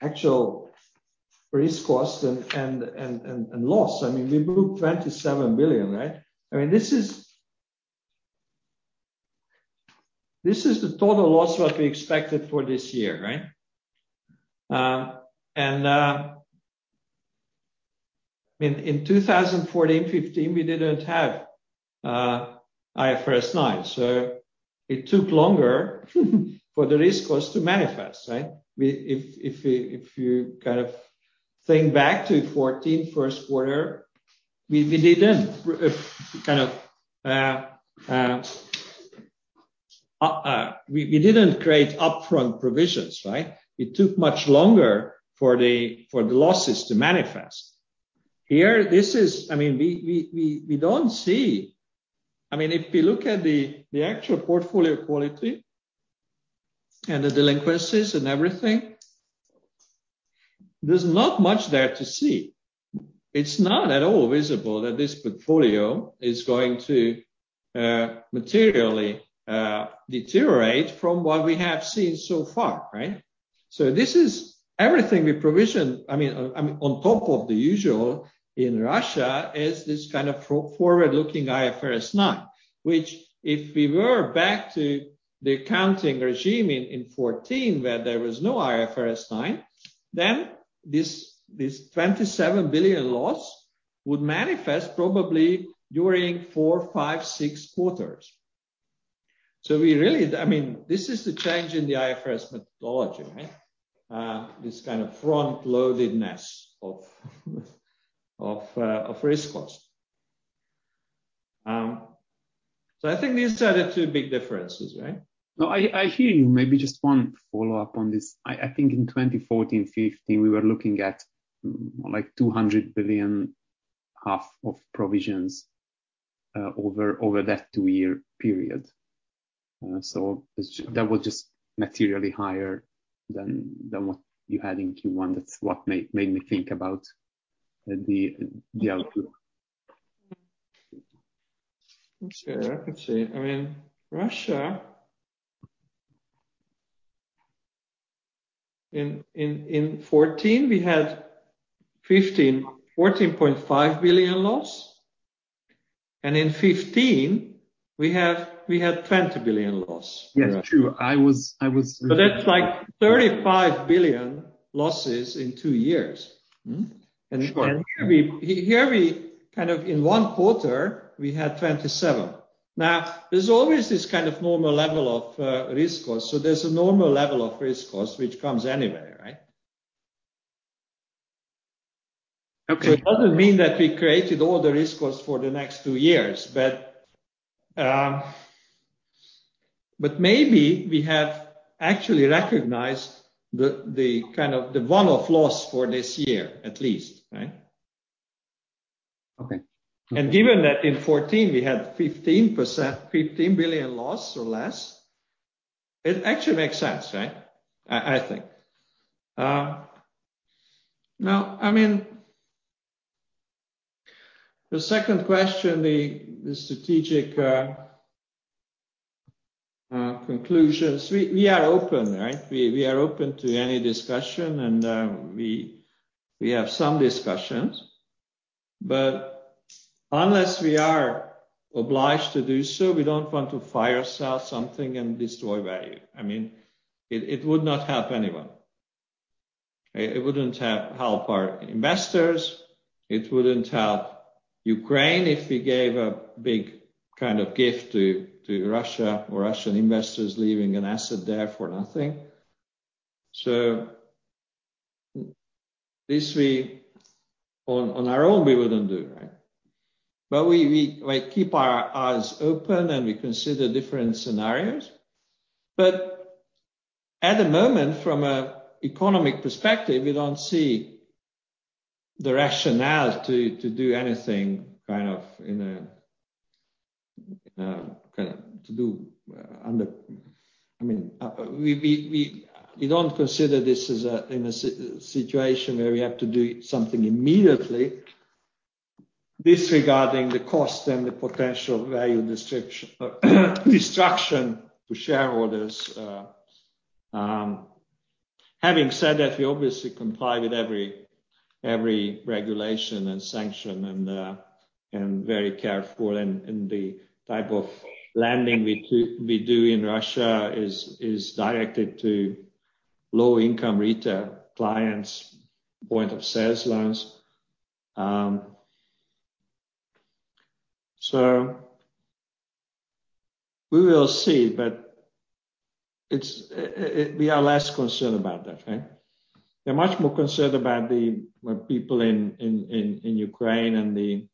actual risk cost and loss, I mean, we booked 27 billion, right? I mean, this is the total loss what we expected for this year, right? I mean, in 2014, 2015, we didn't have IFRS 9, so it took longer for the risk cost to manifest, right? If you kind of think back to 2014 Q1, we didn't create upfront provisions, right? It took much longer for the losses to manifest. Here, this is. I mean, we don't see. I mean, if you look at the actual portfolio quality and the delinquencies and everything, there's not much there to see. It's not at all visible that this portfolio is going to materially deteriorate from what we have seen so far, right? This is everything we provision. I mean, on top of the usual in Russia is this kind of forward-looking IFRS 9, which if we were back to the accounting regime in 2014 where there was no IFRS 9, then this 27 billion loss would manifest probably during four, five, six quarters. I mean, this is the change in the IFRS methodology, right? This kind of front-loadedness of risk cost. I think these are the two big differences, right? No, I hear you. Maybe just one follow-up on this. I think in 2014, 2015, we were looking at like 200 billion of provisions over that two-year period. So that was just materially higher than what you had in Q1. That's what made me think about the output. Let's see. I mean, Russia, in 2014 we had 14.5 billion loss, and in 2015 we had 20 billion loss. Yes. True. I was. That's like 35 billion losses in two years. Mm-hmm. Sure. Here we kind of in one quarter we had 27. Now, there's always this kind of normal level of risk cost. There's a normal level of risk cost which comes anyway, right? Okay. It doesn't mean that we created all the risk costs for the next two years. Maybe we have actually recognized the kind of one-off loss for this year, at least, right? Okay. Given that in 2014 we had 15%... 15 billion loss or less, it actually makes sense, right? I think. Now, I mean, the second question, the strategic conclusions. We are open, right? We are open to any discussion and we have some discussions. Unless we are obliged to do so, we don't want to fire sale something and destroy value. I mean, it would not help anyone, okay? It wouldn't help our investors. It wouldn't help Ukraine if we gave a big kind of gift to Russia or Russian investors leaving an asset there for nothing. This, on our own, we wouldn't do, right? We like keep our eyes open and we consider different scenarios. At the moment, from an economic perspective, we don't see the rationale to do anything. I mean, we don't consider this as a situation where we have to do something immediately disregarding the cost and the potential value destruction to shareholders. Having said that, we obviously comply with every regulation and sanction and very careful in the type of lending we do in Russia is directed to low-income retail clients, point-of-sale loans. So we will see, but we are less concerned about that, okay. We're much more concerned about the people in Ukraine and the.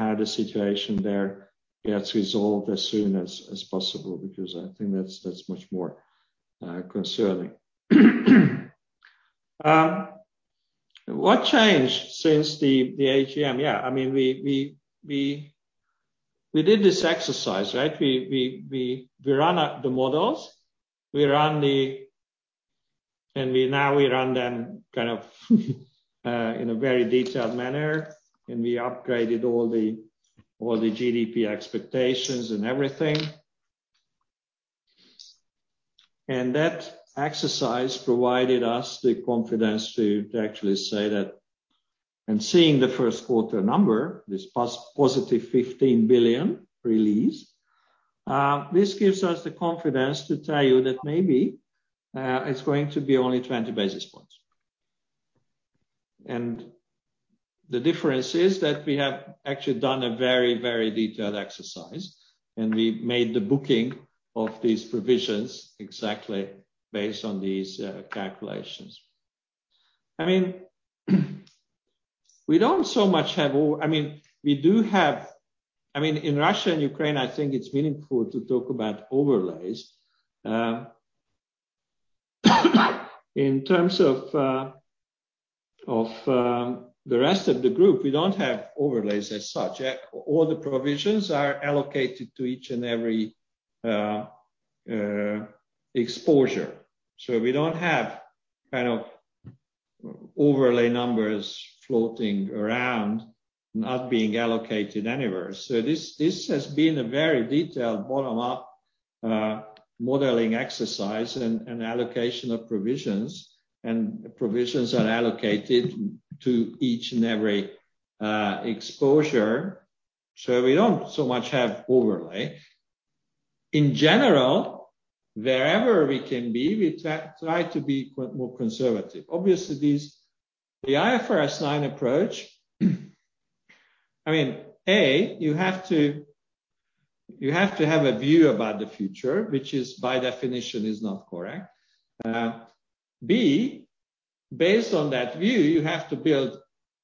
how the situation there gets resolved as soon as possible, because I think that's much more concerning. What changed since the AGM? Yeah. I mean, we did this exercise, right? We ran up the models. We now run them kind of in a very detailed manner, and we upgraded all the GDP expectations and everything. That exercise provided us the confidence to actually say that. Seeing the first quarter number, this positive 15 billion release, this gives us the confidence to tell you that maybe it's going to be only 20 basis points. The difference is that we have actually done a very, very detailed exercise, and we made the booking of these provisions exactly based on these calculations. I mean, in Russia and Ukraine, I think it's meaningful to talk about overlays. In terms of the rest of the group, we don't have overlays as such. All the provisions are allocated to each and every exposure. We don't have kind of overlay numbers floating around not being allocated anywhere. This has been a very detailed bottom-up modeling exercise and allocation of provisions, and provisions are allocated to each and every exposure, so we don't so much have overlay. In general, wherever we can be, we try to be more conservative. Obviously, the IFRS 9 approach, I mean, you have to have a view about the future, which by definition is not correct. Based on that view, you have to build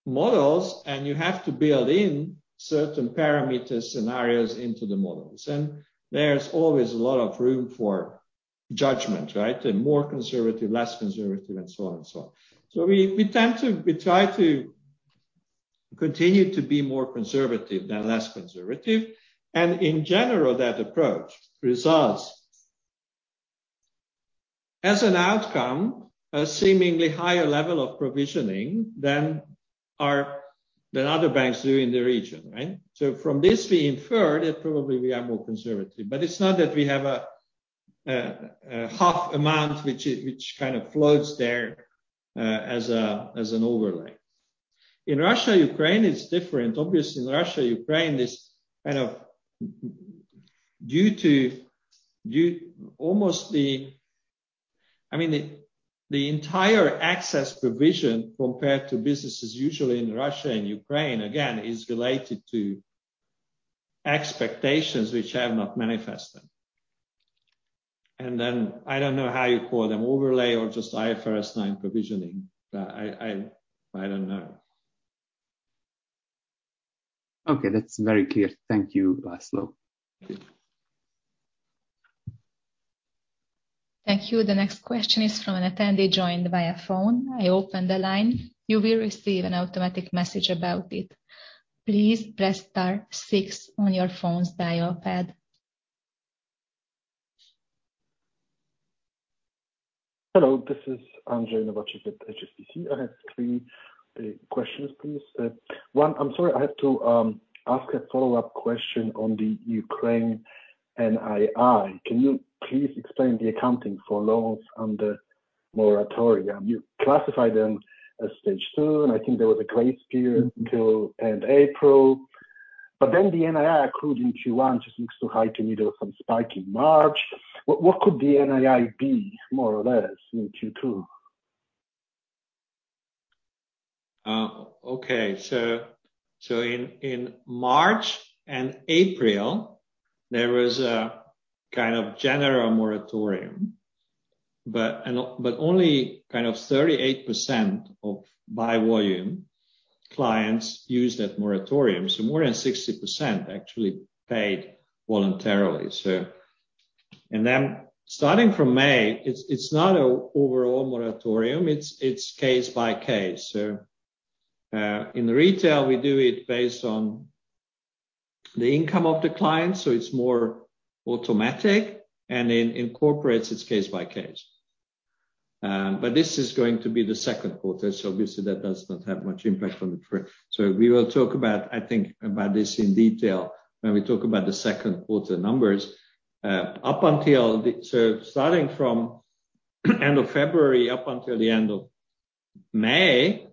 models, and you have to build in certain parameters, scenarios into the models. There's always a lot of room for judgment, right? The more conservative, less conservative, and so on and so on. We try to continue to be more conservative than less conservative, and in general, that approach results as an outcome, a seemingly higher level of provisioning than other banks do in the region, right? From this, we infer that probably we are more conservative. It's not that we have a half amount which kind of floats there, as an overlay. In Russia, Ukraine, it's different. Obviously, in Russia, Ukraine is kind of due to almost the. I mean, the entire excess provision compared to businesses usually in Russia and Ukraine, again, is related to expectations which have not manifested. Then I don't know how you call them, overlay or just IFRS 9 provisioning. But I don't know. Okay, that's very clear. Thank you, Laszlo. Thank you. The next question is from an attendee joined via phone. I open the line. You will receive an automatic message about it. Please press star six on your phone's dial pad. Hello, this is Andrzej Nowaczek with HSBC. I have three questions, please. I'm sorry. I have to ask a follow-up question on the Ukraine NII. Can you please explain the accounting for loans under moratorium? You classify them as Stage 2, and I think there was a grace period until end April. The NII accrued in Q1 just looks too high to me. There was some spike in March. What could the NII be, more or less, in Q2? In March and April, there was a kind of general moratorium, but only kind of 38% of by volume clients used that moratorium. More than 60% actually paid voluntarily. Starting from May, it's not an overall moratorium. It's case by case. In retail, we do it based on the income of the client, so it's more automatic and then it's case by case. But this is going to be the second quarter, so obviously that does not have much impact on the first. We will talk about this in detail when we talk about the second quarter numbers. Starting from end of February up until the end of May,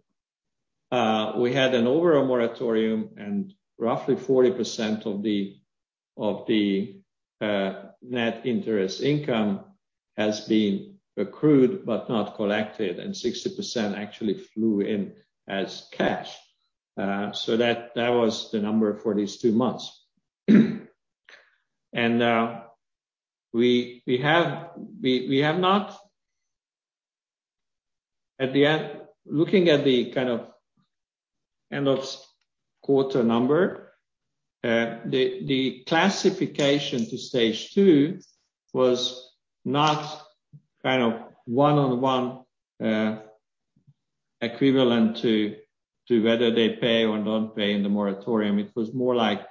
we had an overall moratorium and roughly 40% of the net interest income has been accrued but not collected, and 60% actually flowed in as cash. That was the number for these two months. We have not. Looking at the kind of end of quarter number, the classification to Stage 2 was not kind of one-on-one equivalent to whether they pay or don't pay in the moratorium. It was more like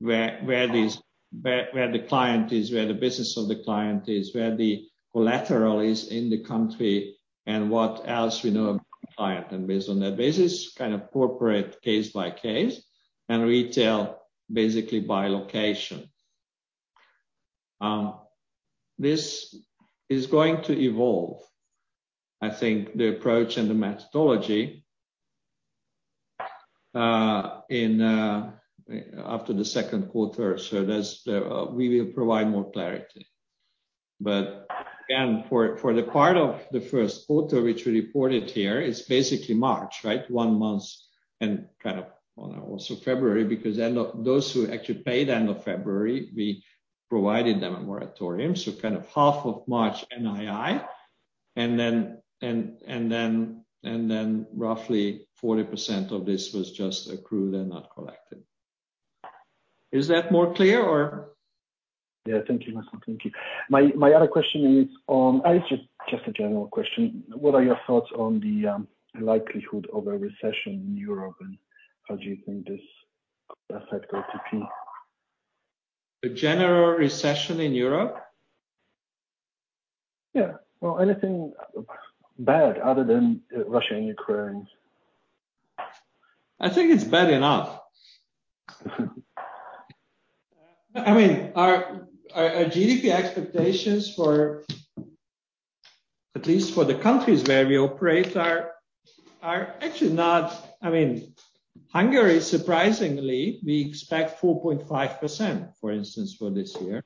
where the client is, where the business of the client is, where the collateral is in the country and what else we know about the client. Based on that basis, kind of corporate case by case and retail basically by location. This is going to evolve. I think the approach and the methodology in after the second quarter, so there's we will provide MOL clarity. But again, for the part of the first quarter which we reported here, it's basically March, right? One month and kind of, well, also February, because end of February, those who actually paid end of February, we provided them a moratorium. So kind of HUF of March NII. Then roughly 40% of this was just accrued and not collected. Is that MOL clear? Yeah. Thank you, László. Thank you. My other question is. It's just a general question. What are your thoughts on the likelihood of a recession in Europe, and how do you think this could affect OTP? A general recession in Europe? Yeah. Well, anything bad other than Russia and Ukraine? I think it's bad enough. I mean, our GDP expectations for, at least for the countries where we operate are actually not... I mean, Hungary surprisingly, we expect 4.5%, for instance, for this year.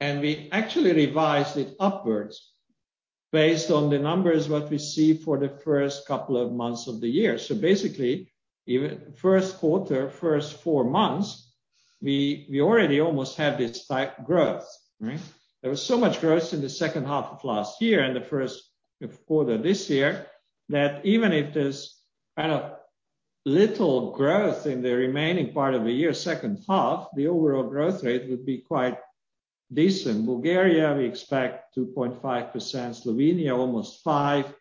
And we actually revised it upwards based on the numbers what we see for the first couple of months of the year. Basically, even first quarter, first four months, we already almost have this type growth, right? There was so much growth in the second half of last year and the first quarter this year that even if there's kind of little growth in the remaining part of the year, second half, the overall growth rate would be quite decent. Bulgaria, we expect 2.5%. Slovenia, almost 5%.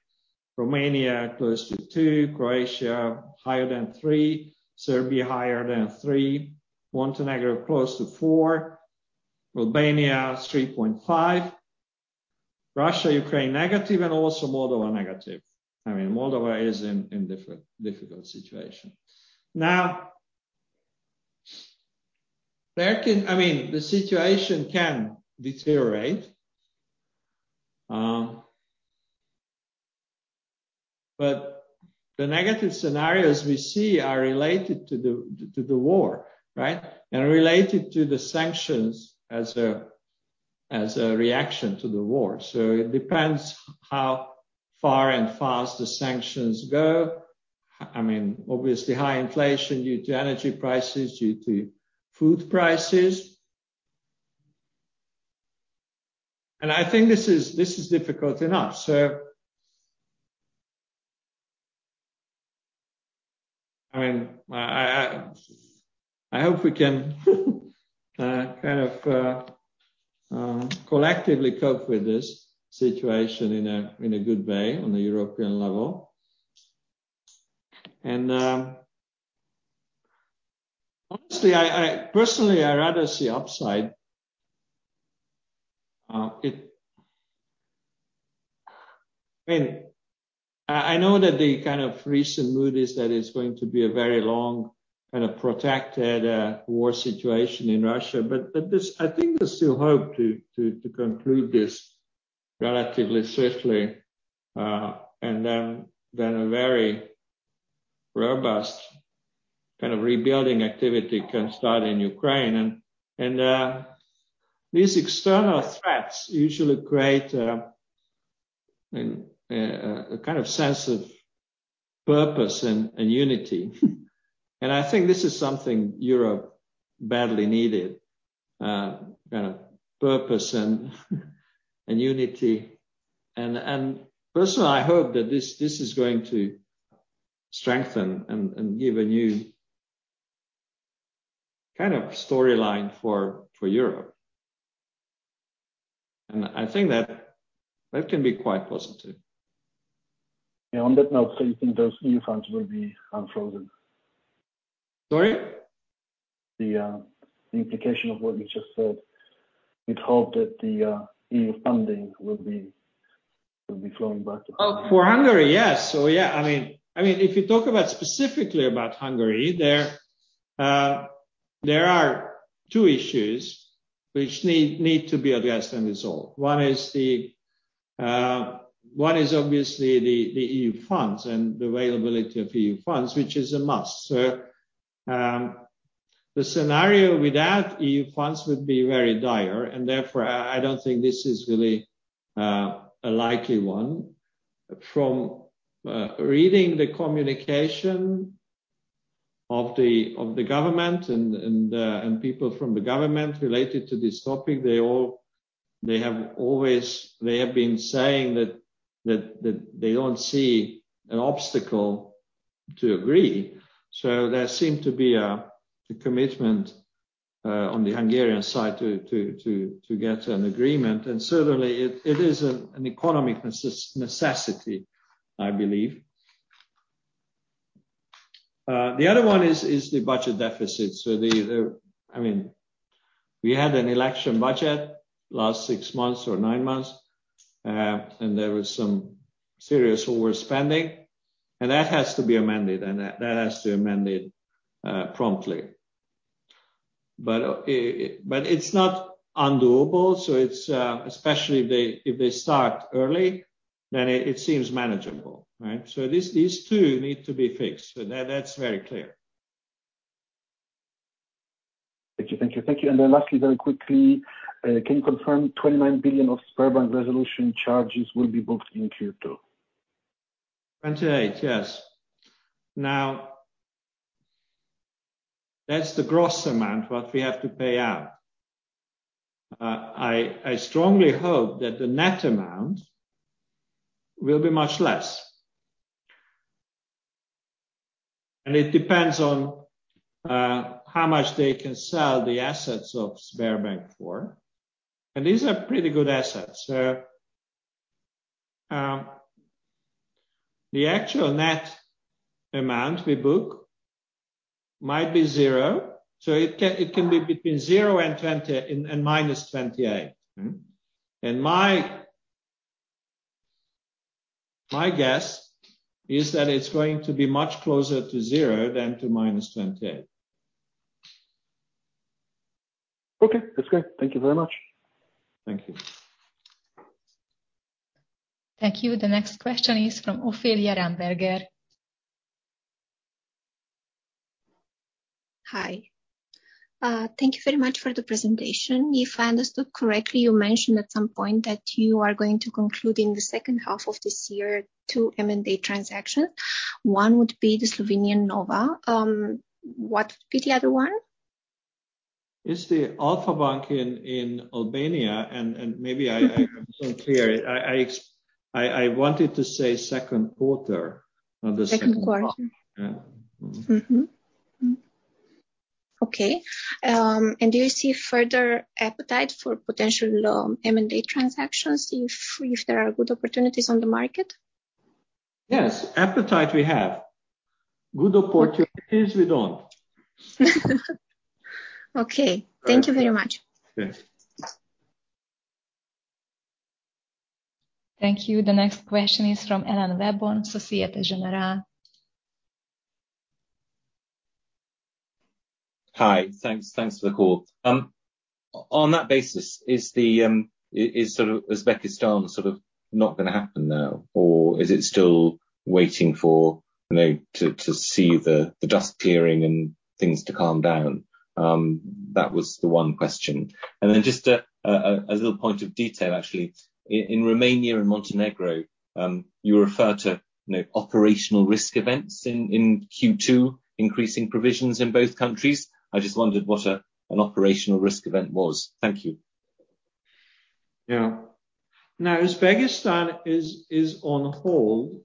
Romania, close to 2%. Croatia, higher than 3%. Serbia, higher than 3%. Montenegro, close to 4%. Albania, 3.5%. Russia, Ukraine, negative, and also Moldova, negative. I mean, Moldova is in a difficult situation. Now, the situation can deteriorate, but the negative scenarios we see are related to the war, right? Related to the sanctions as a reaction to the war. It depends how far and fast the sanctions go. I mean, obviously high inflation due to energy prices, due to food prices. I think this is difficult enough. I mean, I hope we can kind of collectively cope with this situation in a good way on the European level. Honestly, personally, I rather see upside. I mean, I know that the kind of recent mood is that it's going to be a very long, kind of, protracted war situation in Russia, but there's I think there's still hope to conclude this relatively swiftly. Then a very robust kind of rebuilding activity can start in Ukraine. These external threats usually create, you know, a kind of sense of purpose and unity. I think this is something Europe badly needed, kind of purpose and unity. Personally, I hope that this is going to strengthen and give a new kind of storyline for Europe. I think that can be quite positive. On that note, you think those EU funds will be frozen? Sorry? The implication of what you just said, we'd hope that the EU funding will be flowing back again. Oh, for Hungary, yes. Yeah, I mean, if you talk about specifically about Hungary, there are two issues which need to be addressed and resolved. One is obviously the EU funds and the availability of EU funds, which is a must. The scenario without EU funds would be very dire and therefore I don't think this is really a likely one. From reading the communication of the government and people from the government related to this topic, they have been saying that they don't see an obstacle to agree. There seem to be a commitment on the Hungarian side to get an agreement. Certainly, it is an economic necessity, I believe. The other one is the budget deficit. I mean, we had an election budget last 6 months or 9 months, and there was some serious overspending, and that has to be amended promptly. But it's not undoable, so it's especially if they start early, then it seems manageable, right? These two need to be fixed. That's very clear. Thank you. Then lastly, very quickly, can you confirm 29 billion of Sberbank resolution charges will be booked in Q2? 28, yes. Now, that's the gross amount, HUF 28, what we have to pay out. I strongly hope that the net amount will be much less. It depends on how much they can sell the assets of Sberbank for. These are pretty good assets. The actual net amount we book might be 0. It can be between 0 and 20 and -28. My guess is that it's going to be much closer to 0 than to -28. Okay. That's great. Thank you very much. Thank you. Thank you. The next question is from Ophelia Ramberger. Hi. Thank you very much for the presentation. If I understood correctly, you mentioned at some point that you are going to conclude in the second half of this year two M&A transactions. One would be the Slovenian Nova KBM. What would be the other one? It's the Alpha Bank in Albania, and maybe I Mm-hmm. Wasn't clear. I wanted to say second quarter, not the second. Second quarter. Yeah. Mm-hmm. Do you see further appetite for potential M&A transactions if there are good opportunities on the market? Yes. Appetite we have. Good opportunities we don't. Okay. Thank you very much. Yes. Thank you. The next question is from Alan Webborn, Société Générale. Hi. Thanks for the call. On that basis, is the sort of Uzbekistan sort of not gonna happen now or is it still waiting for, you know, to see the dust clearing and things to calm down? That was the one question. Just a little point of detail actually. In Romania and Montenegro, you refer to, you know, operational risk events in Q2, increasing provisions in both countries. I just wondered what an operational risk event was. Thank you. Uzbekistan is on hold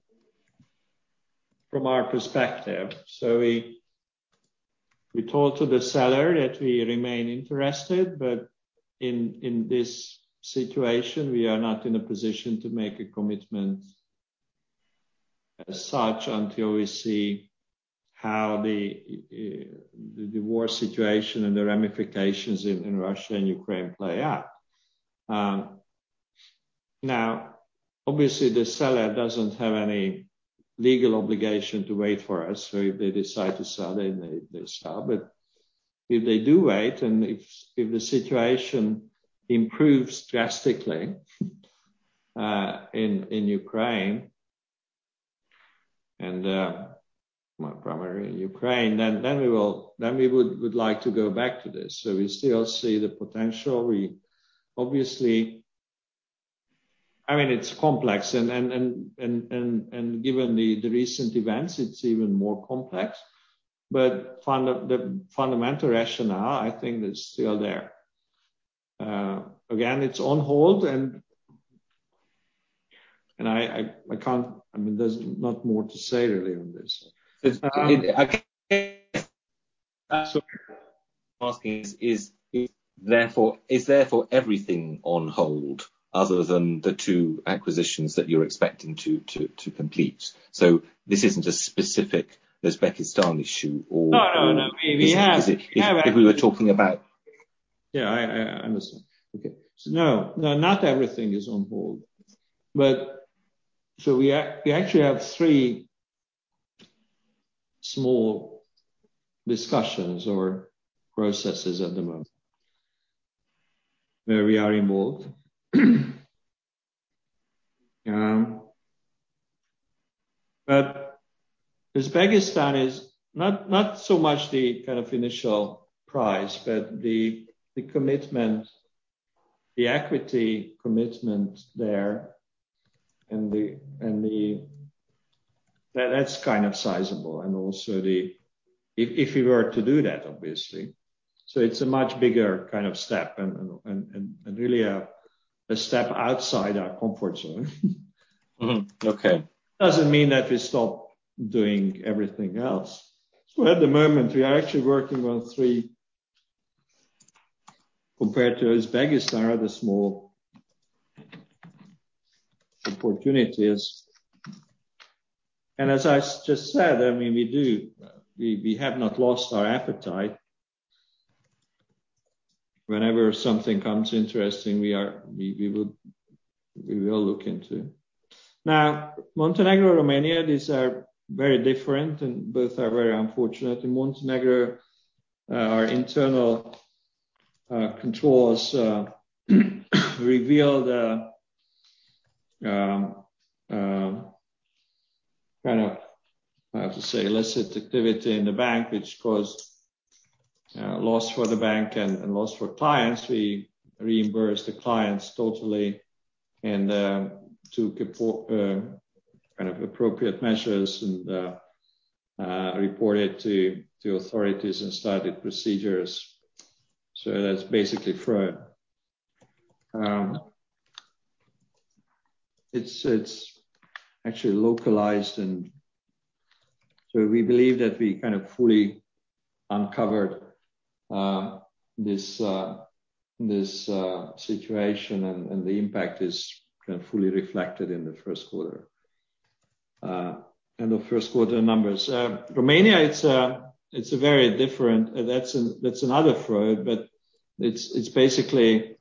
from our perspective. We talk to the seller that we remain interested, but in this situation, we are not in a position to make a commitment as such until we see how the war situation and the ramifications in Russia and Ukraine play out. Now obviously the seller doesn't have any legal obligation to wait for us, if they decide to sell, they sell. If they do wait, and if the situation improves drastically in Ukraine and well, primarily in Ukraine, we would like to go back to this. We still see the potential. We obviously, I mean, it's complex and given the recent events, it's even more complex. The fundamental rationale, I think, is still there. Again, it's on hold and I can't. I mean, there's not much to say really on this. Is therefore everything on hold other than the two acquisitions that you're expecting to complete? This isn't a specific Uzbekistan issue or- No, no. We have If we were talking about. Yeah, I understand. Okay. Not everything is on hold. We actually have three small discussions or processes at the moment where we are involved. Uzbekistan is not so much the kind of initial prize, but the commitment, the equity commitment there. That's kind of sizable. If we were to do that, obviously. It's a much bigger kind of step and really a step outside our comfort zone. Mm-hmm. Okay. Doesn't mean that we stop doing everything else. At the moment, we are actually working on three compared to Uzbekistan, the small opportunities. As I just said, I mean, we do. We have not lost our appetite. Whenever something comes interesting, we will look into. Now, Montenegro, Romania, these are very different and both are very unfortunate. In Montenegro, our internal controls revealed kind of, I have to say, illicit activity in the bank, which caused loss for the bank and loss for clients. We reimbursed the clients totally and took kind of appropriate measures and reported to authorities and started procedures. That's basically fraud. It's actually localized and so we believe that we kind of fully uncovered this situation and the impact is kind of fully reflected in the first quarter numbers. In Romania, it's a very different. That's another fraud, but it's basically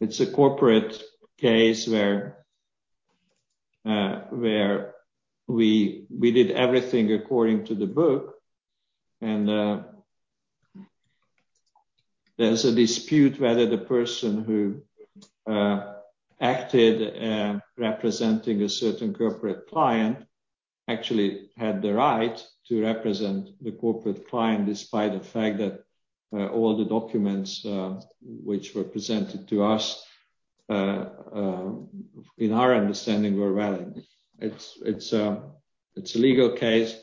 a corporate case where we did everything according to the book and there's a dispute whether the person who acted representing a certain corporate client actually had the right to represent the corporate client despite the fact that all the documents which were presented to us in our understanding were valid. It's a legal case.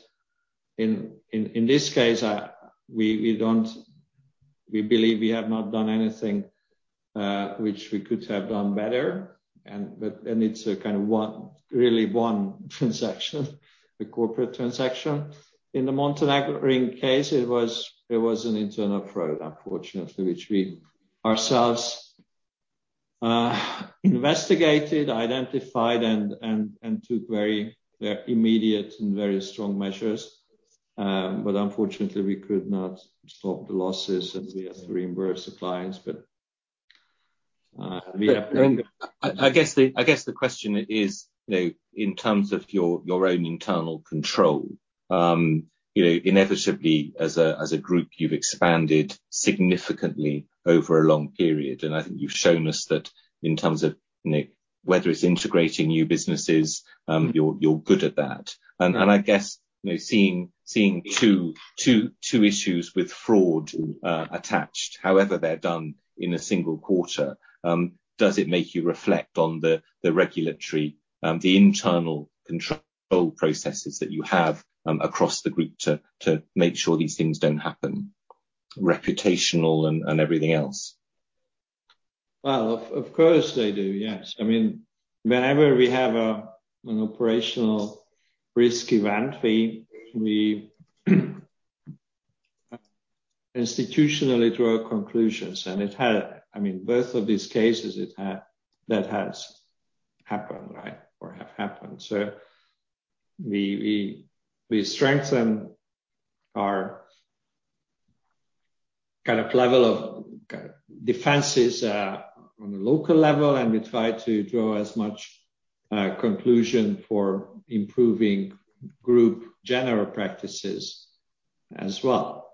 In this case, we don't. We believe we have not done anything which we could have done better. It's a kind of one, really one transaction, the corporate transaction. In the Montenegro case, it was an internal fraud, unfortunately, which we ourselves investigated, identified and took very immediate and very strong measures. Unfortunately we could not stop the losses, and we have to reimburse the clients. I guess the question is, you know, in terms of your own internal control, you know, inevitably as a group, you've expanded significantly over a long period. I think you've shown us that in terms of, you know, whether it's integrating new businesses, you're good at that. I guess, you know, seeing two issues with fraud attached, however they're done in a single quarter, does it make you reflect on the regulatory, the internal control processes that you have across the group to make sure these things don't happen? Reputational and everything else. Well, of course, they do, yes. I mean, whenever we have an operational risk event, we institutionally draw conclusions. I mean, both of these cases it has happened, right? Or have happened. We strengthen our kind of level of kind of defenses on a local level, and we try to draw as much conclusion for improving group general practices as well.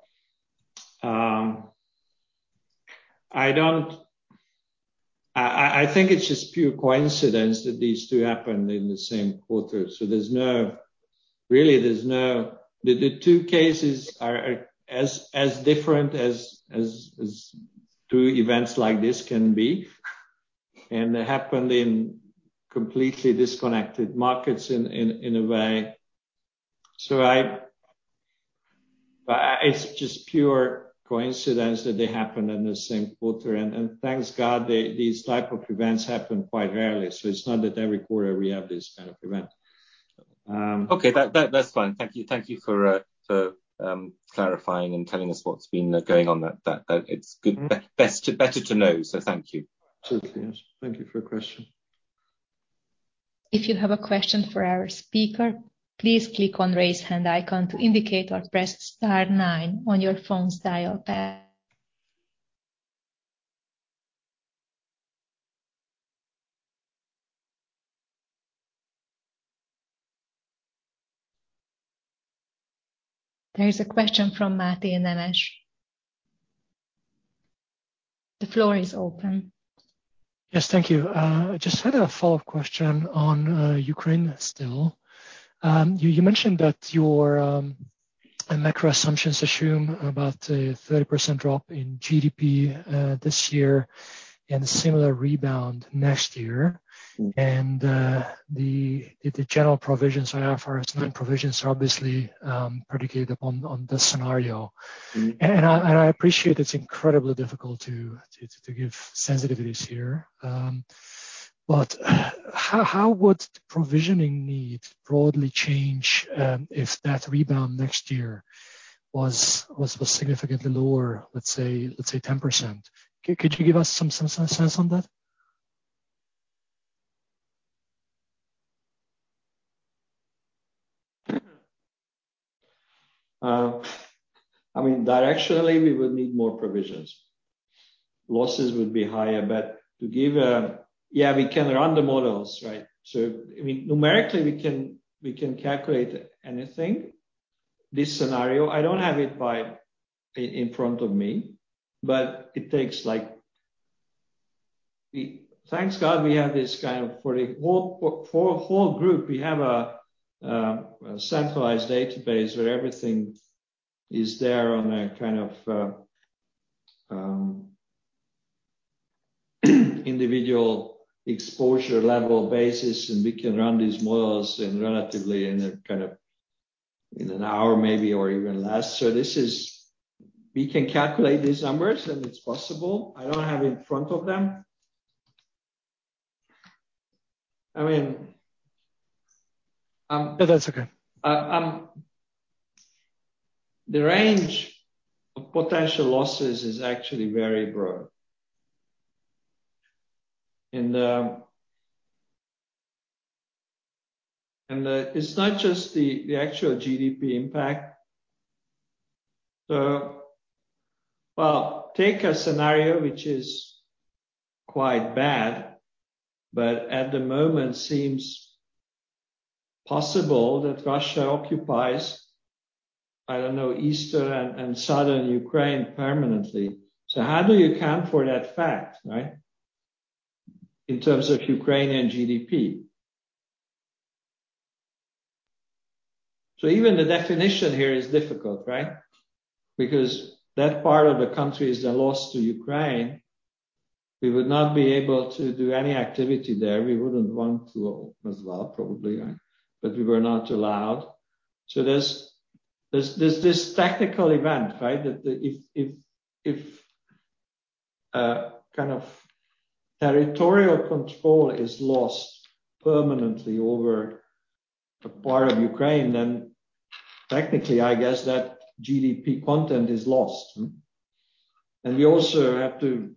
I think it's just pure coincidence that these two happened in the same quarter. There's no. Really, there's no. The two cases are as different as two events like this can be, and they happened in completely disconnected markets in a way. It's just pure coincidence that they happened in the same quarter. Thank God they. These type of events happen quite rarely, so it's not that every quarter we have this kind of event. Okay. That's fine. Thank you. Thank you for clarifying and telling us what's been going on. That's good. Mm-hmm. Better to know, so thank you. Certainly, yes. Thank you for your question. If you have a question for our speaker, please click on Raise Hand icon to indicate or press star nine on your phone's dial pad. There is a question from Máté Nemes. The floor is open. Yes. Thank you. Just had a follow-up question on Ukraine still. You mentioned that your macro assumptions assume about a 30% drop in GDP this year and a similar rebound next year. Mm. The general provisions, IFRS 9 provisions are obviously predicated on this scenario. Mm-hmm. I appreciate it's incredibly difficult to give sensitivities here, but how would the provisioning need broadly change, if that rebound next year was significantly lower, let's say 10%? Could you give us some sense on that? I mean, directionally we would need MOL provisions. Losses would be higher. Yeah, we can run the models, right? I mean, numerically, we can calculate anything. This scenario, I don't have it in front of me, but it takes like. Thank God we have this kind of. For the whole group, we have a centralized database where everything is there on a kind of individual exposure level basis, and we can run these models relatively in a kind of an hour maybe or even less. We can calculate these numbers, and it's possible. I don't have them in front of me. I mean, No, that's okay. The range of potential losses is actually very broad. It's not just the actual GDP impact. Well, take a scenario which is quite bad, but at the moment seems possible that Russia occupies, I don't know, eastern and southern Ukraine permanently. How do you account for that fact, right, in terms of Ukrainian GDP? Even the definition here is difficult, right? Because that part of the country is a loss to Ukraine. We would not be able to do any activity there. We wouldn't want to as well, probably, but we were not allowed. There's this technical event, right, that if kind of territorial control is lost permanently over a part of Ukraine, then technically, I guess that GDP content is lost. We also have to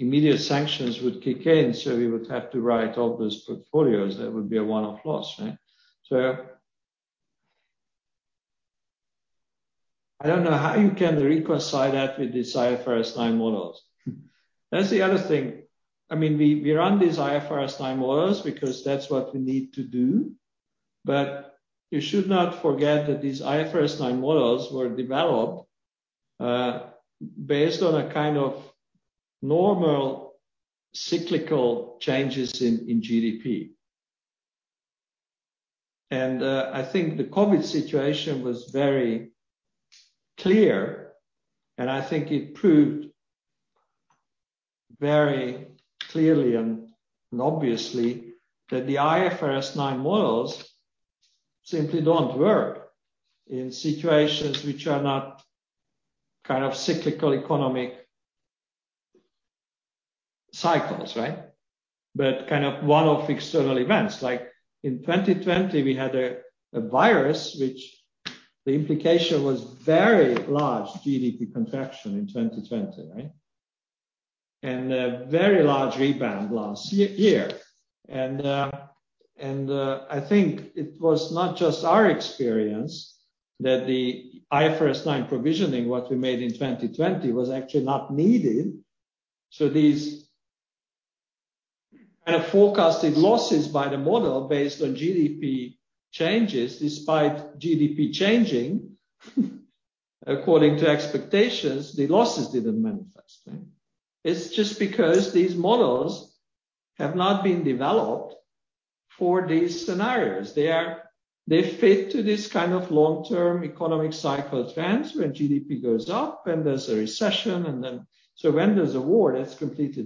Immediate sanctions would kick in, so we would have to write off those portfolios. That would be a one-off loss, right? I don't know how you can reconcile that with these IFRS 9 models. That's the other thing. I mean, we run these IFRS 9 models because that's what we need to do. You should not forget that these IFRS 9 models were developed based on a kind of normal cyclical changes in GDP. I think the COVID situation was very clear, and I think it proved very clearly and obviously that the IFRS 9 models simply don't work in situations which are not kind of cyclical economic cycles, right? Kind of one-off external events. Like in 2020 we had a virus which the implication was very large GDP contraction in 2020, right? A very large rebound last year. I think it was not just our experience that the IFRS 9 provisioning, what we made in 2020, was actually not needed. These kind of forecasted losses by the model based on GDP changes, despite GDP changing, according to expectations, the losses didn't manifest, right? It's just because these models have not been developed for these scenarios. They fit to this kind of long-term economic cycle events when GDP goes up and there's a recession and then. When there's a war, that's completely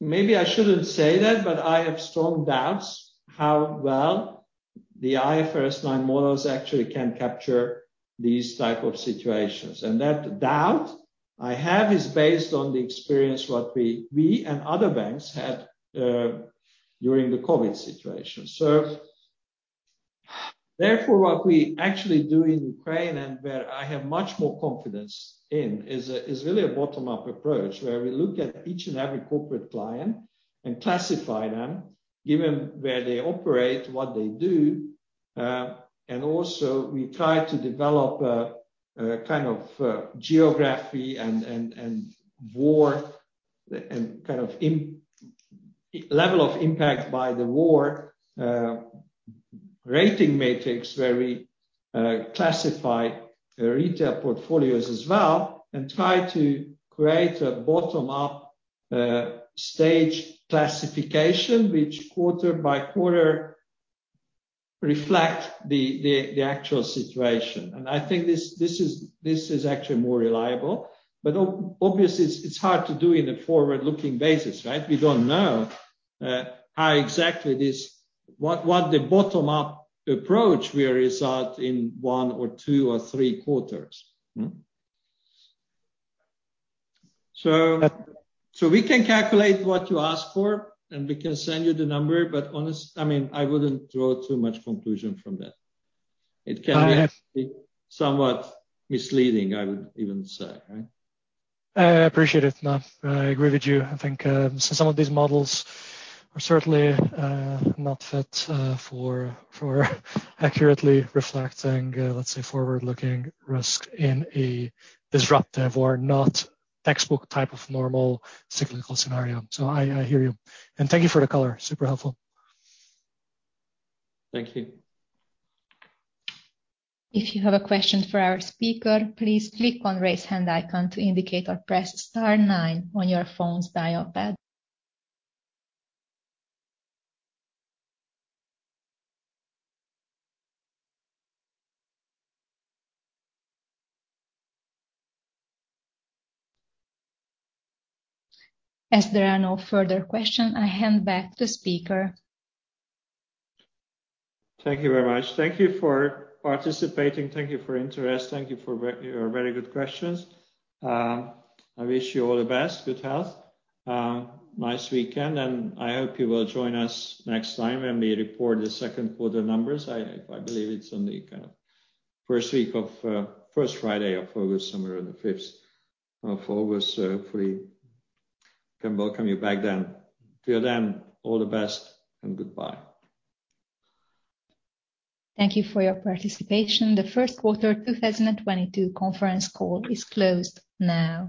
different. Maybe I shouldn't say that, but I have strong doubts how well the IFRS 9 models actually can capture these type of situations. That doubt I have is based on the experience, what we and other banks had, during the COVID situation. Therefore, what we actually do in Ukraine, and where I have much more confidence in, is really a bottom-up approach where we look at each and every corporate client and classify them given where they operate, what they do. And also we try to develop a kind of geography and war and kind of impact level of impact by the war rating matrix where we classify retail portfolios as well, and try to create a bottom-up stage classification which quarter by quarter reflect the actual situation. I think this is actually more reliable. Obviously it's hard to do in a forward-looking basis, right? We don't know how exactly the bottom-up approach will result in one or two or three quarters. We can calculate what you ask for and we can send you the number, but honestly, I mean, I wouldn't draw too much conclusion from that. It can be. I have- Somewhat misleading, I would even say, right? I appreciate it. No, I agree with you. I think some of these models are certainly not fit for accurately reflecting, let's say, forward-looking risk in a disruptive or not textbook type of normal cyclical scenario. I hear you. Thank you for the color. Super helpful. Thank you. If you have a question for our speaker, please click on Raise Hand icon to indicate or press star nine on your phone's dial pad. There are no further questions, so I hand back to speaker. Thank you very much. Thank you for participating. Thank you for interest. Thank you for your very good questions. I wish you all the best, good health, nice weekend, and I hope you will join us next time when we report the second quarter numbers. I believe it's on the kind of first week of first Friday of August, somewhere on the fifth of August. Hopefully can welcome you back then. Till then, all the best and goodbye. Thank you for your participation. The first quarter 2022 conference call is closed now.